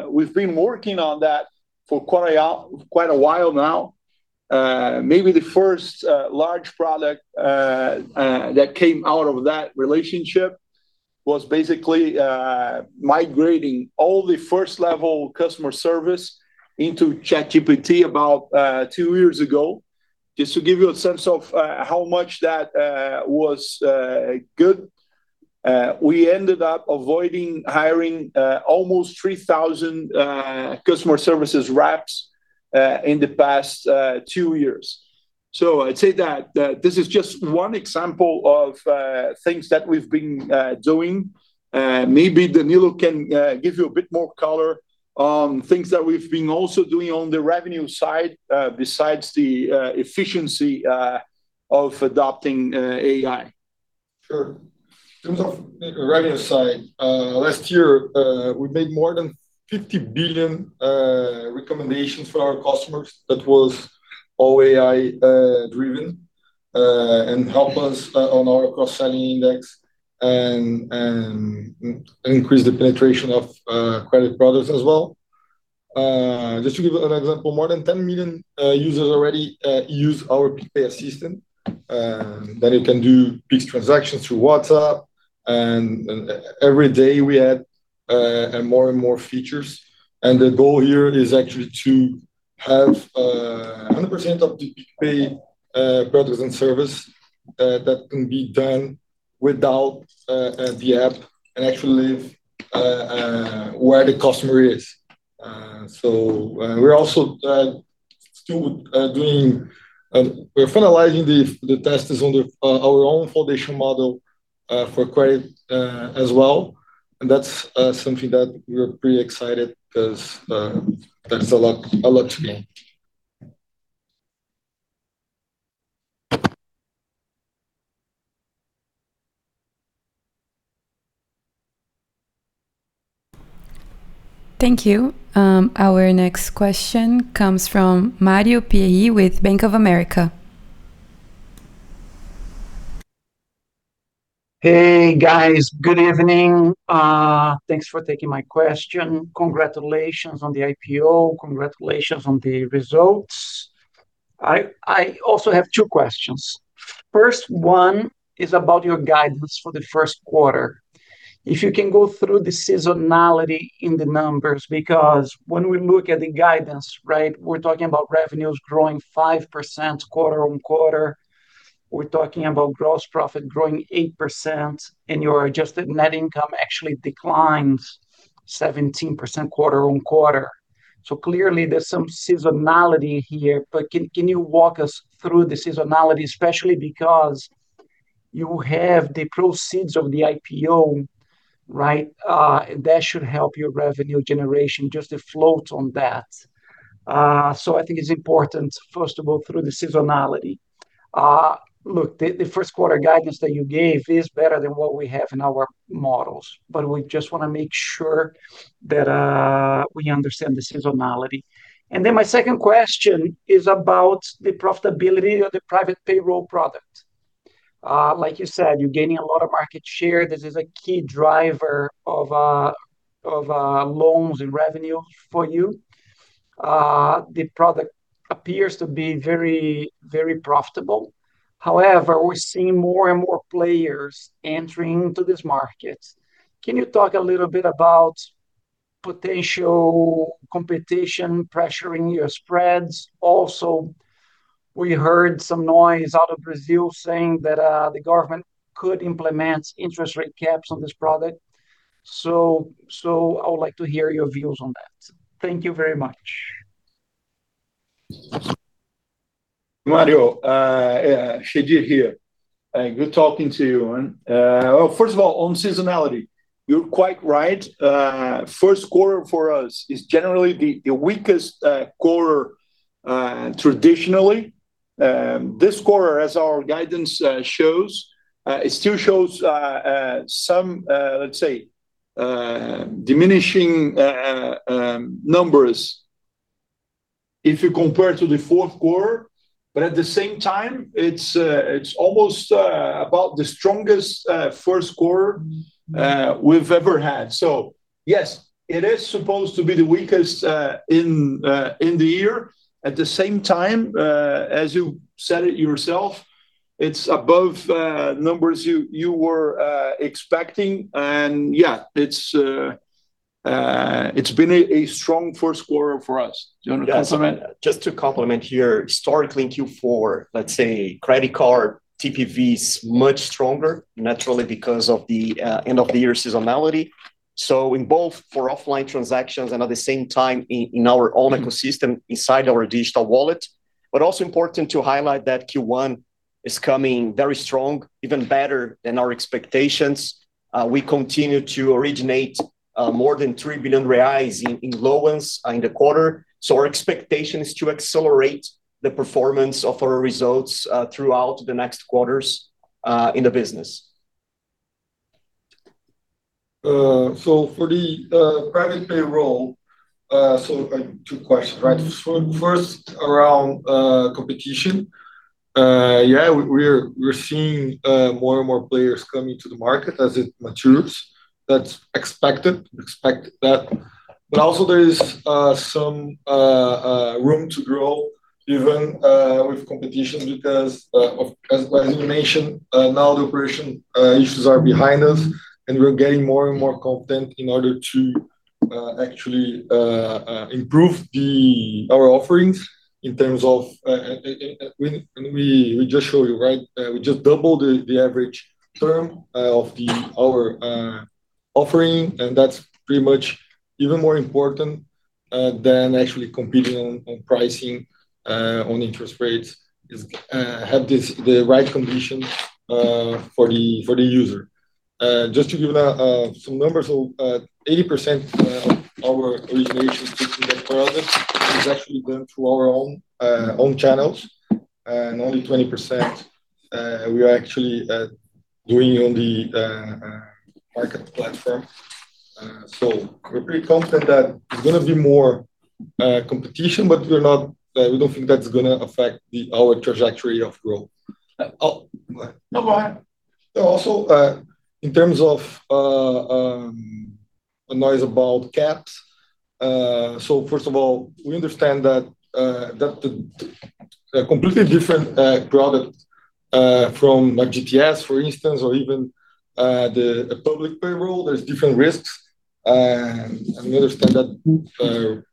We've been working on that for quite a while now. Maybe the first large product that came out of that relationship was basically migrating all the first-level customer service into ChatGPT about two years ago. Just to give you a sense of how good that was, we ended up avoiding hiring almost 3,000 customer service reps in the past two years. I'd say that this is just one example of things that we've been doing. Maybe Danilo can give you a bit more color on things that we've been also doing on the revenue side, besides the efficiency of adopting AI. Sure. In terms of the revenue side, last year, we made more than 50 billion recommendations for our customers. That was all AI driven. Help us on our cross-selling index and increase the penetration of credit products as well. Just to give an example, more than 10 million users already use our PicPay system. That it can do Pix transactions through WhatsApp, and every day we add more and more features. The goal here is actually to have 100% of the PicPay products and service that can be done without the app and actually live where the customer is. We're also still finalizing the tests on our own foundation model for credit as well. That's something that we're pretty excited 'cause there's a lot to gain. Thank you. Our next question comes from Mario Pierry with Bank of America. Hey, guys. Good evening. Thanks for taking my question. Congratulations on the IPO. Congratulations on the results. I also have two questions. First one is about your guidance for the first quarter. If you can go through the seasonality in the numbers, because when we look at the guidance, right, we're talking about revenues growing 5% quarter-over-quarter. We're talking about gross profit growing 8% and your adjusted net income actually declines 17% quarter-over-quarter. Clearly there's some seasonality here, but can you walk us through the seasonality, especially because you have the proceeds of the IPO, right? That should help your revenue generation just to float on that. I think it's important, first of all, through the seasonality. Look, the first quarter guidance that you gave is better than what we have in our models, but we just wanna make sure that we understand the seasonality. Then my second question is about the profitability of the private payroll product. Like you said, you're gaining a lot of market share. This is a key driver of loans and revenue for you. The product appears to be very profitable. However, we're seeing more and more players entering into this market. Can you talk a little bit about potential competition pressuring your spreads? Also, we heard some noise out of Brazil saying that the government could implement interest rate caps on this product. So I would like to hear your views on that. Thank you very much. Mario, yeah, Chedid here. Good talking to you. First of all, on seasonality, you're quite right. First quarter for us is generally the weakest quarter traditionally. This quarter, as our guidance shows, it still shows some, let's say, numbers if you compare to the fourth quarter. At the same time, it's almost about the strongest first quarter we've ever had. Yes, it is supposed to be the weakest in the year. At the same time, as you said it yourself, it's above numbers you were expecting. Yeah, it's been a strong first quarter for us. Do you wanna comment? Yes. Just to complement here. Historically, in Q4, let's say credit card TPV is much stronger, naturally, because of the end of the year seasonality. In both for offline transactions and at the same time in our own ecosystem inside our digital wallet. Also important to highlight that Q1 is coming very strong, even better than our expectations. We continue to originate more than 3 billion reais in loans in the quarter. Our expectation is to accelerate the performance of our results throughout the next quarters in the business. For the private payroll, two questions, right? First around competition. Yeah, we're seeing more and more players coming to the market as it matures. That's expected. We expect that. Also there is some room to grow even with competition because, as you mentioned, now the operational issues are behind us, and we're getting more and more confident in order to actually improve our offerings in terms of and we just show you, right? We just double the average term of our offering, and that's pretty much even more important than actually competing on pricing on interest rates, is have this the right condition for the user. Just to give some numbers. 80% of our origination PicPay product is actually going through our own channels, and only 20% we are actually doing on the market platform. We're pretty confident that it's gonna be more competition, but we don't think that's gonna affect our trajectory of growth. No, go ahead. Also, in terms of noise about caps. First of all, we understand that a completely different product from like FGTS for instance or even the public payroll, there's different risks. We understand that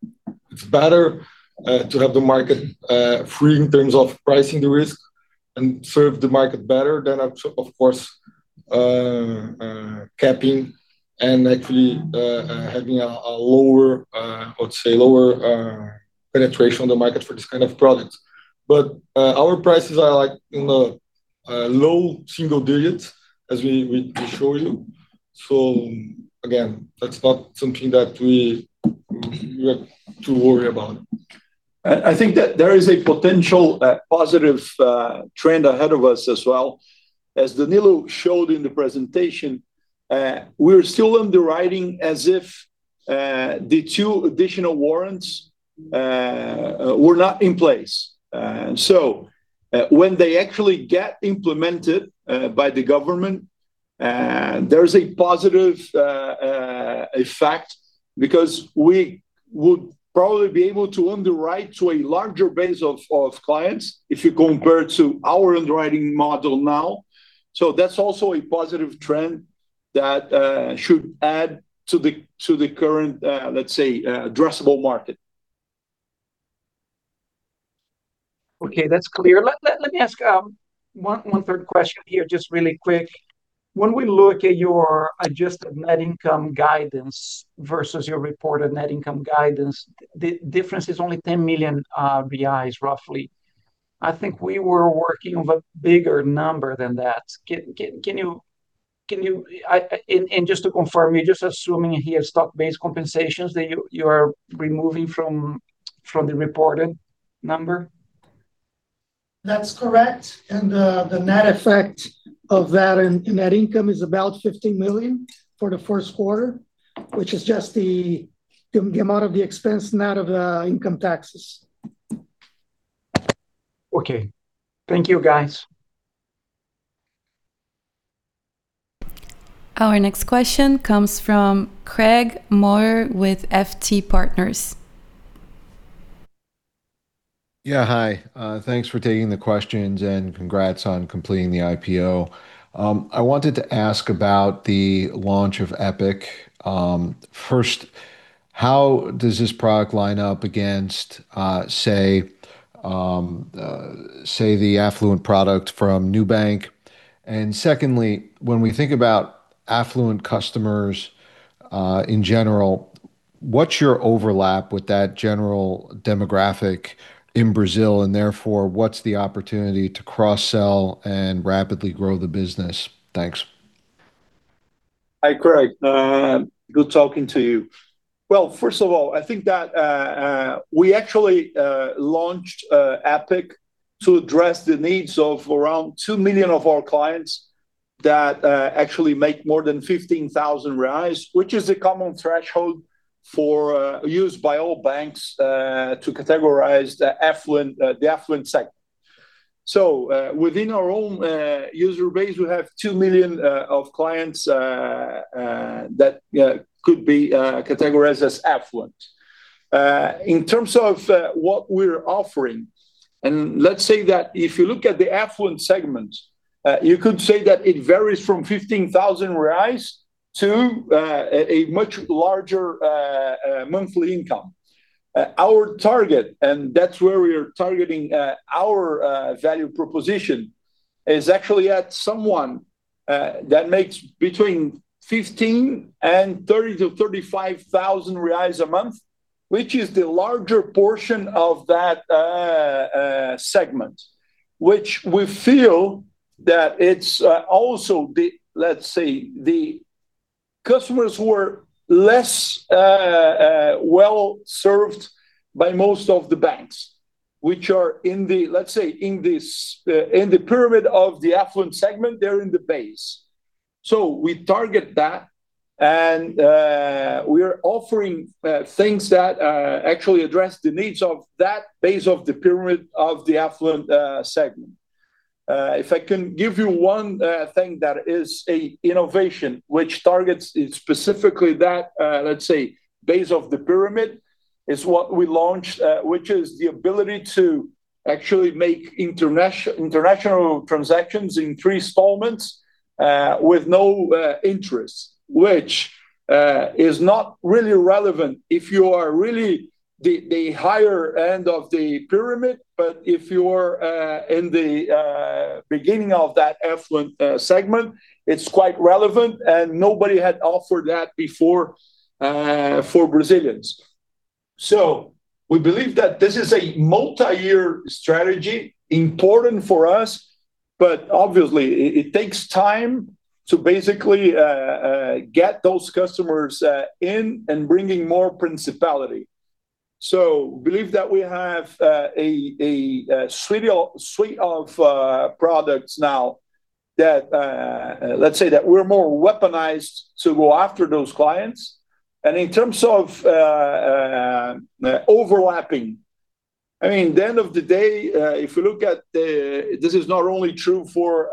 it's better to have the market free in terms of pricing the risk and serve the market better than, of course, capping and actually having a lower, I would say, penetration on the market for this kind of product. Our prices are like in the low single digits as we show you. Again, that's not something that we have to worry about. I think that there is a potential positive trend ahead of us as well. As Danilo showed in the presentation, we're still underwriting as if the two additional warrants were not in place. When they actually get implemented by the government, there is a positive effect because we would probably be able to underwrite to a larger base of clients if you compare to our underwriting model now. That's also a positive trend that should add to the current, let's say, addressable market. Okay. That's clear. Let me ask one third question here just really quick. When we look at your adjusted net income guidance versus your reported net income guidance, the difference is only 10 million reais roughly. I think we were working with a bigger number than that. Can you... and just to confirm, you're just assuming here stock-based compensations that you're removing from the reported number? That's correct. The net effect of that in net income is about 50 million for the first quarter, which is just the amount of the expense net of income taxes. Okay. Thank you, guys. Our next question comes from Craig Maurer with FT Partners. Yeah. Hi, thanks for taking the questions and congrats on completing the IPO. I wanted to ask about the launch of Epic. First, how does this product line up against, say, the affluent product from Nubank? Secondly, when we think about affluent customers in general, what's your overlap with that general demographic in Brazil, and therefore, what's the opportunity to cross-sell and rapidly grow the business? Thanks. Hi, Craig. Good talking to you. Well, first of all, I think that we actually launched Epic to address the needs of around two million of our clients that actually make more than 15,000 reais, which is a common threshold for use by all banks to categorize the affluent segment. Within our own user base, we have two million of clients that could be categorized as affluent. In terms of what we're offering, and let's say that if you look at the affluent segment, you could say that it varies from 15,000 reais to a much larger monthly income. Our target, and that's where we are targeting, our value proposition is actually at someone that makes between 15,000 and 30,000-35,000 reais a month, which is the larger portion of that segment. Which we feel that it's also let's say the customers who are less well served by most of the banks, which are in the, let's say, in this pyramid of the affluent segment, they're in the base. We target that, and we are offering things that actually address the needs of that base of the pyramid of the affluent segment. If I can give you one thing that is an innovation which targets specifically that, let's say base of the pyramid, is what we launched, which is the ability to actually make international transactions in three installments, with no interest. Which is not really relevant if you are really the higher end of the pyramid. If you're in the beginning of that affluent segment, it's quite relevant, and nobody had offered that before for Brazilians. We believe that this is a multi-year strategy important for us, but obviously it takes time to basically get those customers in and bringing more profitability. We believe that we have a suite of products now. That, let's say that we're more weaponized to go after those clients. In terms of overlapping, I mean, at the end of the day, if you look at the. This is not only true for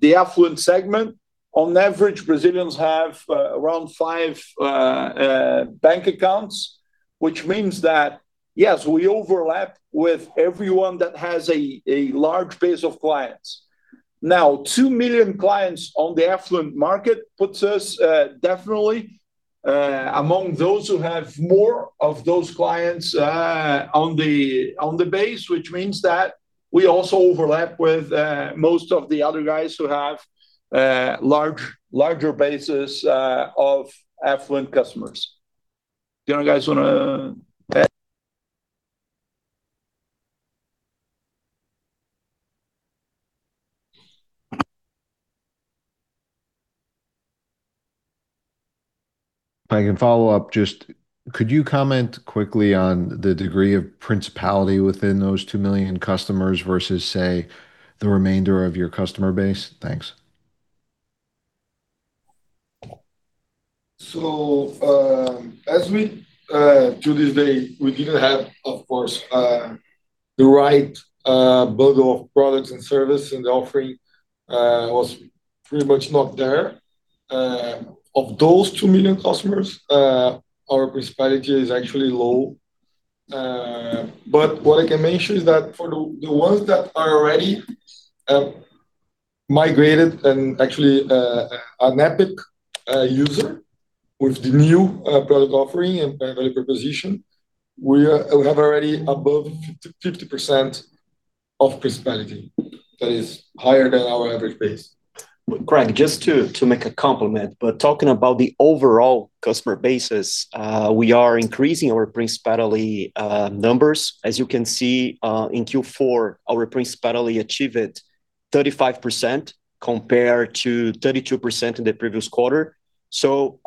the affluent segment. On average, Brazilians have around five bank accounts, which means that, yes, we overlap with everyone that has a large base of clients. Now, two million clients on the affluent market puts us definitely among those who have more of those clients on the base, which means that we also overlap with most of the other guys who have larger bases of affluent customers. Do you guys wanna add? If I can follow up just. Could you comment quickly on the degree of principality within those two million customers versus, say, the remainder of your customer base? Thanks. As of today, we didn't have, of course, the right bundle of products and services, and the offering was pretty much not there. Of those two million customers, our penetration is actually low. But what I can mention is that for the ones that are already migrated and actually an Epic user with the new product offering and value proposition, we have already above 50% penetration. That is higher than our average base. Craig, just to make a comment, but talking about the overall customer bases, we are increasing our primacy numbers. As you can see, in Q4, our primacy achieved 35% compared to 32% in the previous quarter.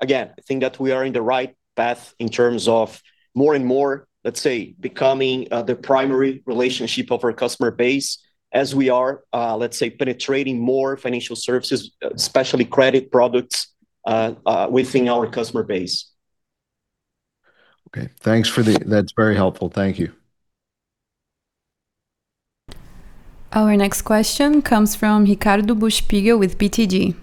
Again, I think that we are in the right path in terms of more and more, let's say, becoming the primary relationship of our customer base as we are, let's say, penetrating more financial services, especially credit products, within our customer base. Okay. Thanks. That's very helpful. Thank you. Our next question comes from Ricardo Buchpiguel with BTG.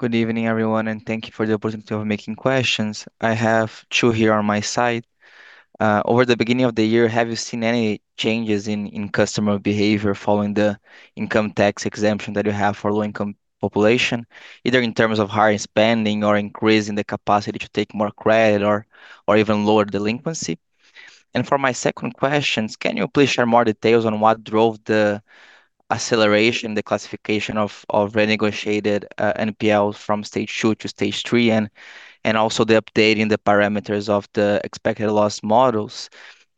Good evening, everyone, and thank you for the opportunity of making questions. I have two here on my side. Over the beginning of the year, have you seen any changes in customer behavior following the income tax exemption that you have for low-income population, either in terms of higher spending or increase in the capacity to take more credit or even lower delinquency? For my second questions, can you please share more details on what drove the acceleration, the classification of renegotiated NPLs from stage two to stage three and also the update in the parameters of the expected loss models?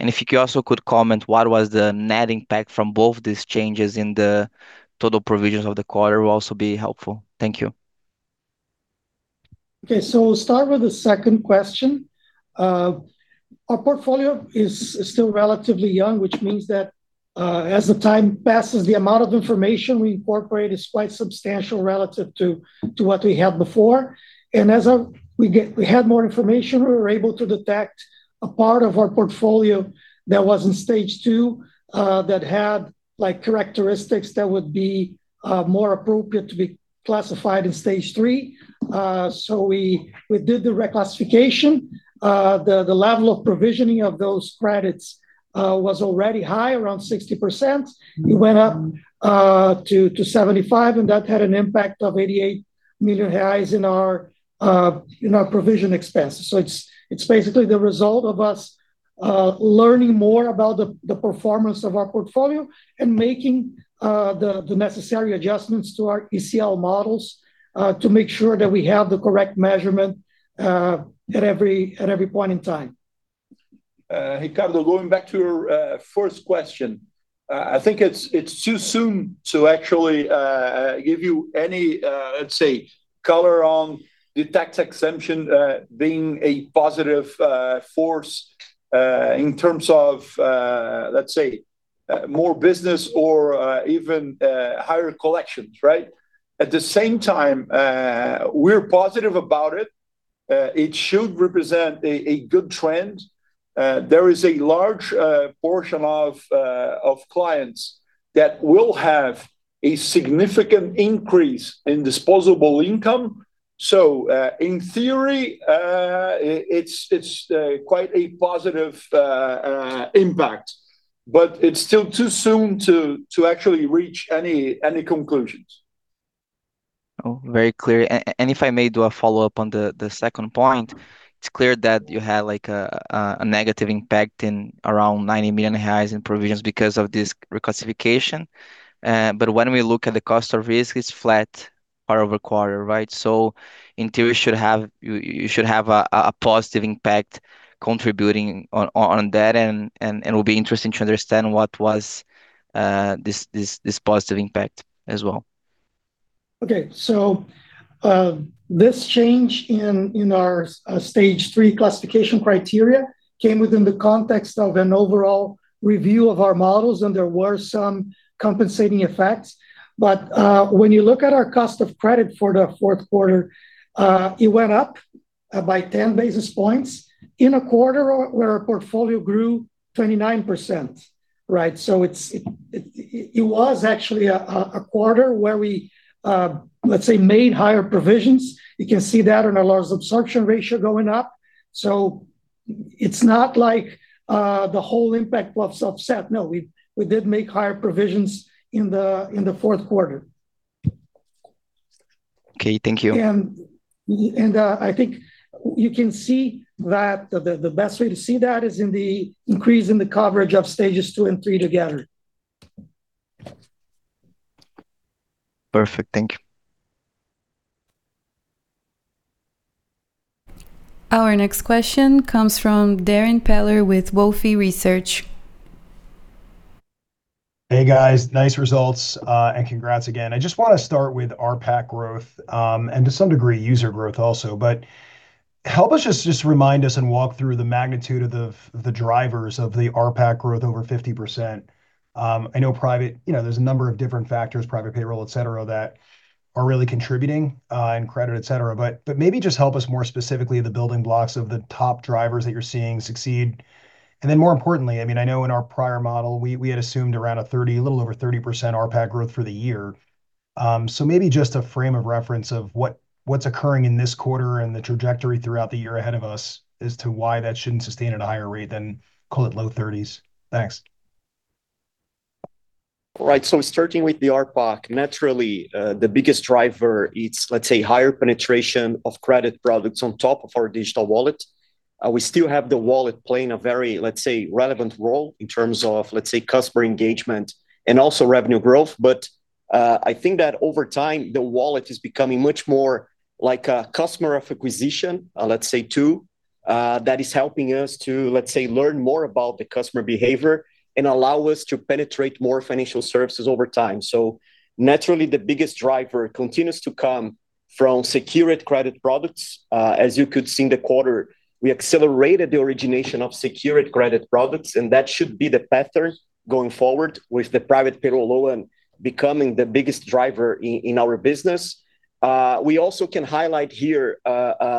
If you could also comment what was the net impact from both these changes in the total provisions of the quarter, will also be helpful. Thank you. We'll start with the second question. Our portfolio is still relatively young, which means that as the time passes, the amount of information we incorporate is quite substantial relative to what we had before. We had more information, we were able to detect a part of our portfolio that was in stage two, that had, like, characteristics that would be more appropriate to be classified in stage three. We did the reclassification. The level of provisioning of those credits was already high, around 60%. It went up to 75%, and that had an impact of 88 million reais in our provision expenses. It's basically the result of us learning more about the performance of our portfolio and making the necessary adjustments to our ECL models to make sure that we have the correct measurement at every point in time. Ricardo, going back to your first question. I think it's too soon to actually give you any, let's say, color on the tax exemption being a positive force in terms of, let's say, more business or even higher collections, right? At the same time, we're positive about it. It should represent a good trend. There is a large portion of clients that will have a significant increase in disposable income. In theory, it's quite a positive impact, but it's still too soon to actually reach any conclusions. Oh, very clear. If I may do a follow-up on the second point. It's clear that you had like a negative impact in around 90 million reais in provisions because of this reclassification. When we look at the cost of risk, it's flat quarter-over-quarter, right? In theory, you should have a positive impact contributing on that and it will be interesting to understand what was this positive impact as well. Okay. This change in our stage three classification criteria came within the context of an overall review of our models, and there were some compensating effects. When you look at our cost of credit for the fourth quarter, it went up by 10 basis points in a quarter where our portfolio grew 29%, right? It was actually a quarter where we, let's say, made higher provisions. You can see that in our loss absorption ratio going up. It's not like the whole impact was offset. No, we did make higher provisions in the fourth quarter. Okay. Thank you. I think you can see that the best way to see that is in the increase in the coverage of stages two and three together. Perfect. Thank you. Our next question comes from Darrin Peller with Wolfe Research. Hey, guys. Nice results, and congrats again. I just wanna start with ARPAC growth, and to some degree user growth also. Help us just remind us and walk through the magnitude of the drivers of the ARPAC growth over 50%. I know. You know, there's a number of different factors, private payroll, et cetera, that are really contributing, in credit, et cetera. Maybe just help us more specifically the building blocks of the top drivers that you're seeing succeed. Then more importantly, I mean, I know in our prior model we had assumed around a 30%, a little over 30% ARPAC growth for the year. Maybe just a frame of reference of what's occurring in this quarter and the trajectory throughout the year ahead of us as to why that shouldn't sustain at a higher rate than call it low 30s. Thanks. Right. Starting with the ARPAC, naturally, the biggest driver, it's, let's say, higher penetration of credit products on top of our digital wallet. We still have the wallet playing a very, let's say, relevant role in terms of, let's say, customer engagement and also revenue growth. I think that over time, the wallet is becoming much more like a customer acquisition tool, let's say too, that is helping us to, let's say, learn more about the customer behavior and allow us to penetrate more financial services over time. Naturally, the biggest driver continues to come from secured credit products. As you could see in the quarter, we accelerated the origination of secured credit products, and that should be the pattern going forward with the private payroll loan becoming the biggest driver in our business. We also can highlight here,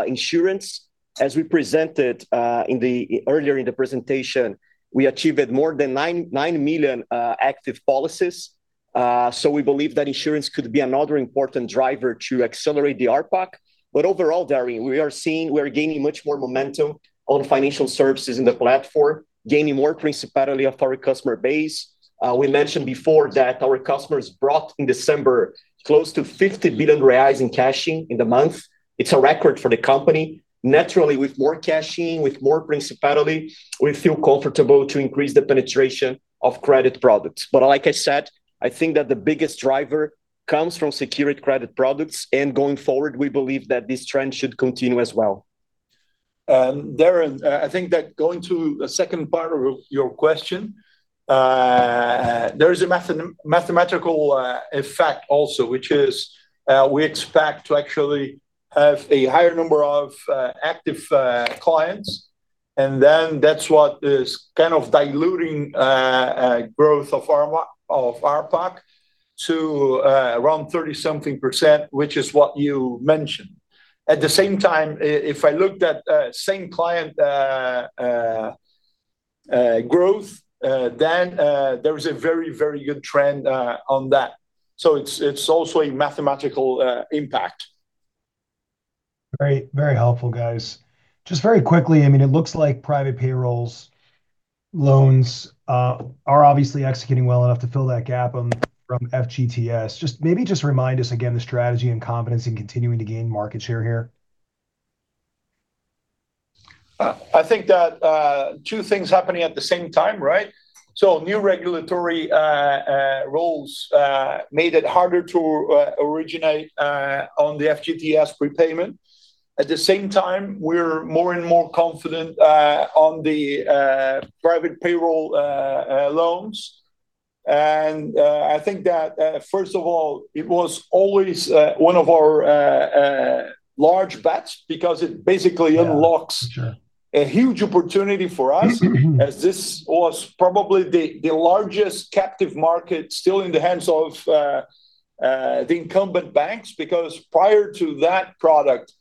insurance. As we presented, earlier in the presentation, we achieved more than nine million active policies. We believe that insurance could be another important driver to accelerate the ARPAC. Overall, Darrin, we are seeing we are gaining much more momentum on financial services in the platform, gaining more principally of our customer base. We mentioned before that our customers brought in December close to 50 billion reais in cashing in the month. It's a record for the company. Naturally, with more cashing, with more principally, we feel comfortable to increase the penetration of credit products. Like I said, I think that the biggest driver comes from secured credit products, and going forward, we believe that this trend should continue as well. Darrin, I think that going to the second part of your question, there is a mathematical effect also, which is, we expect to actually have a higher number of active clients. That's what is kind of diluting growth of our ARPAC to around 30-something percent, which is what you mentioned. At the same time, if I looked at same client growth, then there is a very good trend on that. It's also a mathematical impact. Very, very helpful, guys. Just very quickly, I mean, it looks like private payroll loans are obviously executing well enough to fill that gap from FGTS. Just maybe remind us again the strategy and confidence in continuing to gain market share here. I think that two things happening at the same time, right? New regulatory rules made it harder to originate on the FGTS prepayment. At the same time, we're more and more confident on the private payroll loans. I think that first of all, it was always one of our large bets because it basically unlocks. Yeah, sure. A huge opportunity for us as this was probably the largest captive market still in the hands of the incumbent banks. Because prior to that product,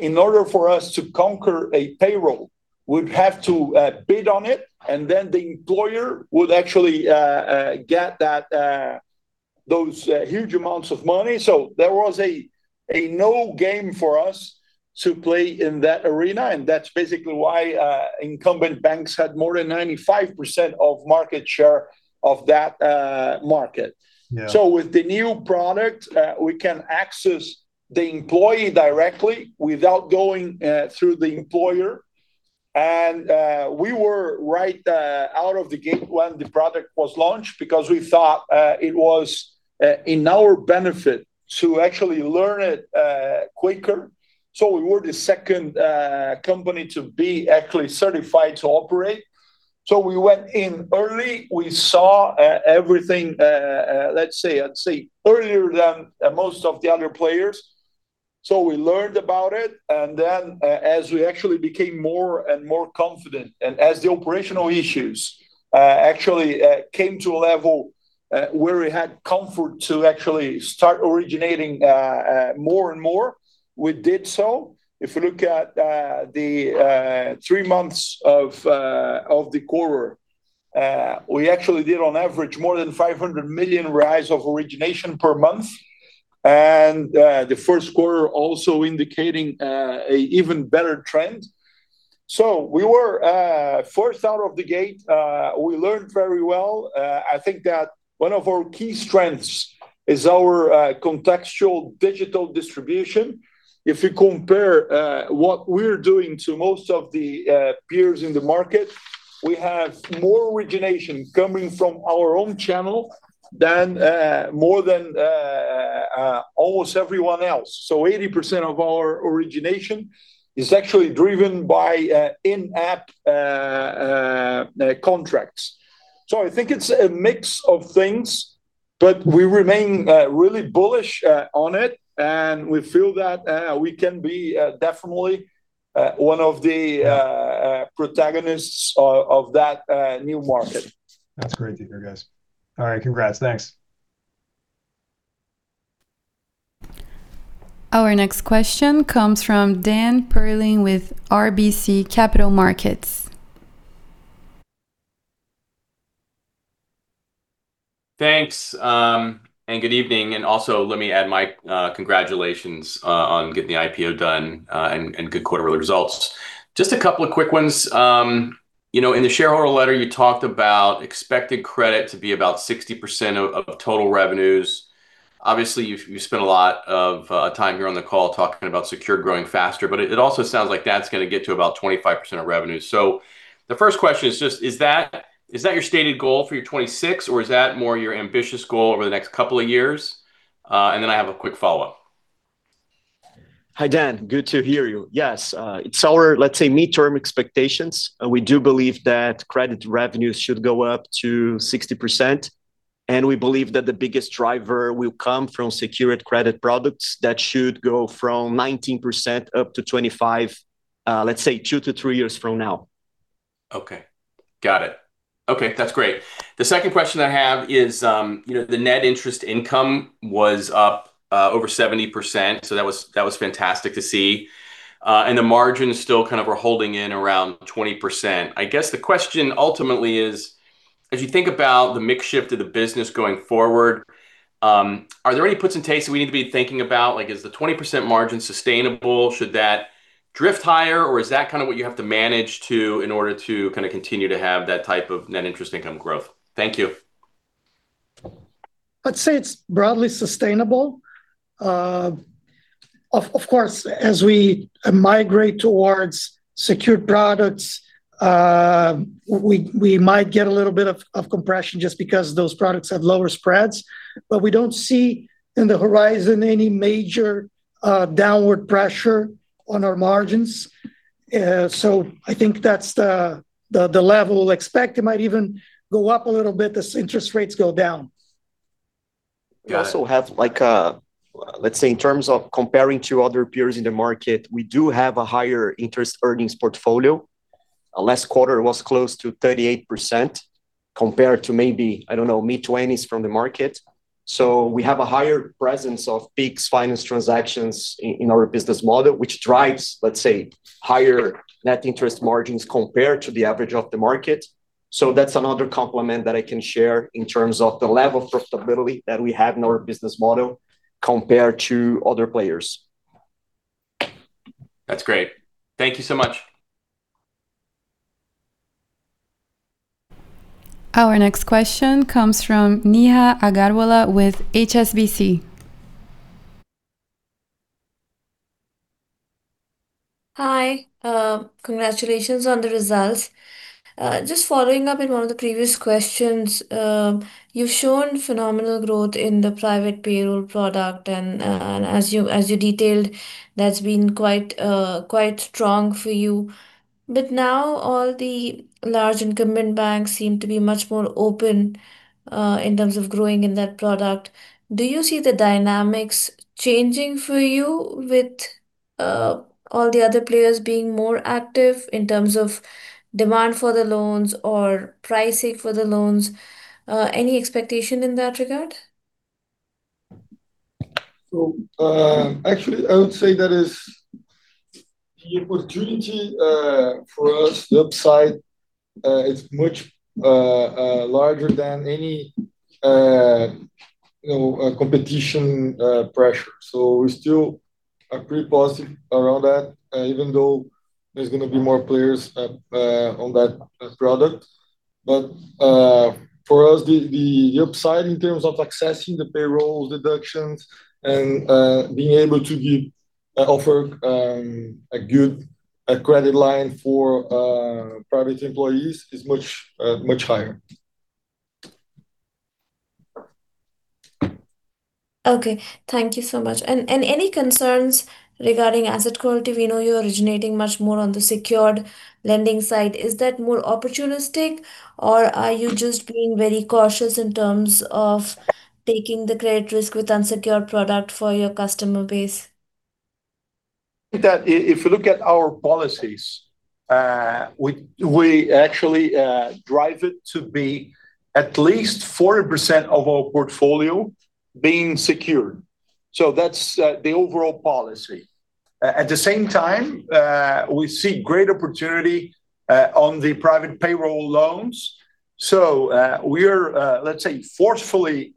in order for us to conquer a payroll, we'd have to bid on it, and then the employer would actually get those huge amounts of money. There was no game for us to play in that arena, and that's basically why incumbent banks had more than 95% of market share of that market. Yeah. With the new product, we can access the employee directly without going through the employer. We were right out of the gate when the product was launched because we thought it was in our benefit to actually learn it quicker. We were the second company to be actually certified to operate. We went in early. We saw everything, let's say, I'd say earlier than most of the other players. We learned about it, and then, as we actually became more and more confident, and as the operational issues actually came to a level where we had comfort to actually start originating more and more, we did so. If you look at the three months of the quarter, we actually did on average more than 500 million reais of origination per month. The first quarter also indicating an even better trend. We were first out of the gate. We learned very well. I think that one of our key strengths is our contextual digital distribution. If you compare what we're doing to most of the peers in the market, we have more origination coming from our own channel than more than almost everyone else. 80% of our origination is actually driven by in-app contracts. I think it's a mix of things, but we remain really bullish on it, and we feel that we can be definitely one of the protagonists of that new market. That's great to hear, guys. All right, congrats. Thanks. Our next question comes from Dan Perlin with RBC Capital Markets. Thanks and good evening. Also let me add my congratulations on getting the IPO done, and good quarterly results. Just a couple of quick ones. You know, in the shareholder letter you talked about expecting credit to be about 60% of total revenues. Obviously, you spent a lot of time here on the call talking about secured growing faster, but it also sounds like that's gonna get to about 25% of revenues. The first question is just, is that your stated goal for your 2026, or is that more your ambitious goal over the next couple of years? I have a quick follow-up. Hi, Dan. Good to hear you. Yes, it's our, let's say, midterm expectations. We do believe that credit revenues should go up to 60%, and we believe that the biggest driver will come from secured credit products that should go from 19% up to 25%, let's say, two-three years from now. Okay. Got it. Okay, that's great. The second question I have is, you know, the net interest income was up over 70%, so that was fantastic to see. The margin is still kind of we're holding in around 20%. I guess the question ultimately is, as you think about the mix shift of the business going forward, are there any puts and takes that we need to be thinking about? Like, is the 20% margin sustainable? Should that drift higher, or is that kind of what you have to manage to in order to kind of continue to have that type of net interest income growth? Thank you. I'd say it's broadly sustainable. Of course, as we migrate towards secured products, we might get a little bit of compression just because those products have lower spreads. We don't see on the horizon any major downward pressure on our margins. I think that's the level we'll expect. It might even go up a little bit as interest rates go down. Got it. We also have like a. Let's say in terms of comparing to other peers in the market, we do have a higher interest earnings portfolio. Last quarter was close to 38% compared to maybe, I don't know, mid-20s from the market. We have a higher presence of Pix finance transactions in our business model, which drives, let's say, higher net interest margins compared to the average of the market. That's another complement that I can share in terms of the level of profitability that we have in our business model compared to other players. That's great. Thank you so much. Our next question comes from Neha Aggarwala with HSBC. Hi, congratulations on the results. Just following up in one of the previous questions, you've shown phenomenal growth in the private payroll product and as you detailed, that's been quite strong for you. But now all the large incumbent banks seem to be much more open in terms of growing in that product. Do you see the dynamics changing for you with all the other players being more active in terms of demand for the loans or pricing for the loans? Any expectation in that regard? Actually, I would say that is the opportunity for us, the upside is much larger than any you know competition pressure. We still are pretty positive around that even though there's gonna be more players on that product. For us, the upside in terms of accessing the payroll deductions and being able to offer a good credit line for private employees is much higher. Okay. Thank you so much. Any concerns regarding asset quality? We know you're originating much more on the secured lending side. Is that more opportunistic or are you just being very cautious in terms of taking the credit risk with unsecured product for your customer base? If you look at our policies, we actually drive it to be at least 40% of our portfolio being secured. That's the overall policy. At the same time, we see great opportunity on the private payroll loans. We're let's say forcefully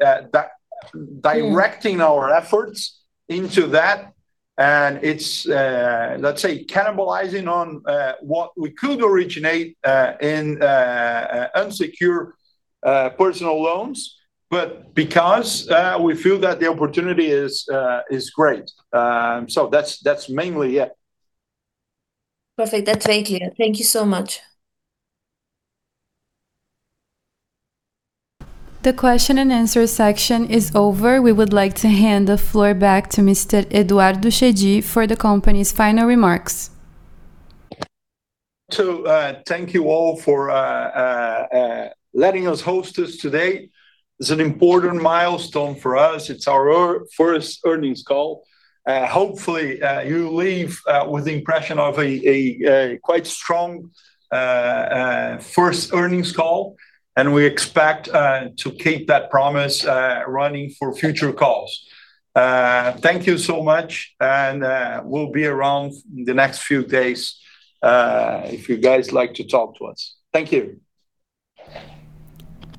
directing our efforts into that and it's let's say cannibalizing on what we could originate in unsecured personal loans, but because we feel that the opportunity is great. That's mainly it. Perfect. That's very clear. Thank you so much. The question and answer section is over. We would like to hand the floor back to Mr. Eduardo Chedid for the company's final remarks. Thank you all for letting us host this today. It's an important milestone for us. It's our first earnings call. Hopefully, you leave with the impression of a quite strong first earnings call, and we expect to keep that promise running for future calls. Thank you so much, and we'll be around the next few days if you guys like to talk to us. Thank you.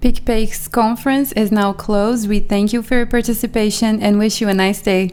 PicPay's conference is now closed. We thank you for your participation and wish you a nice day.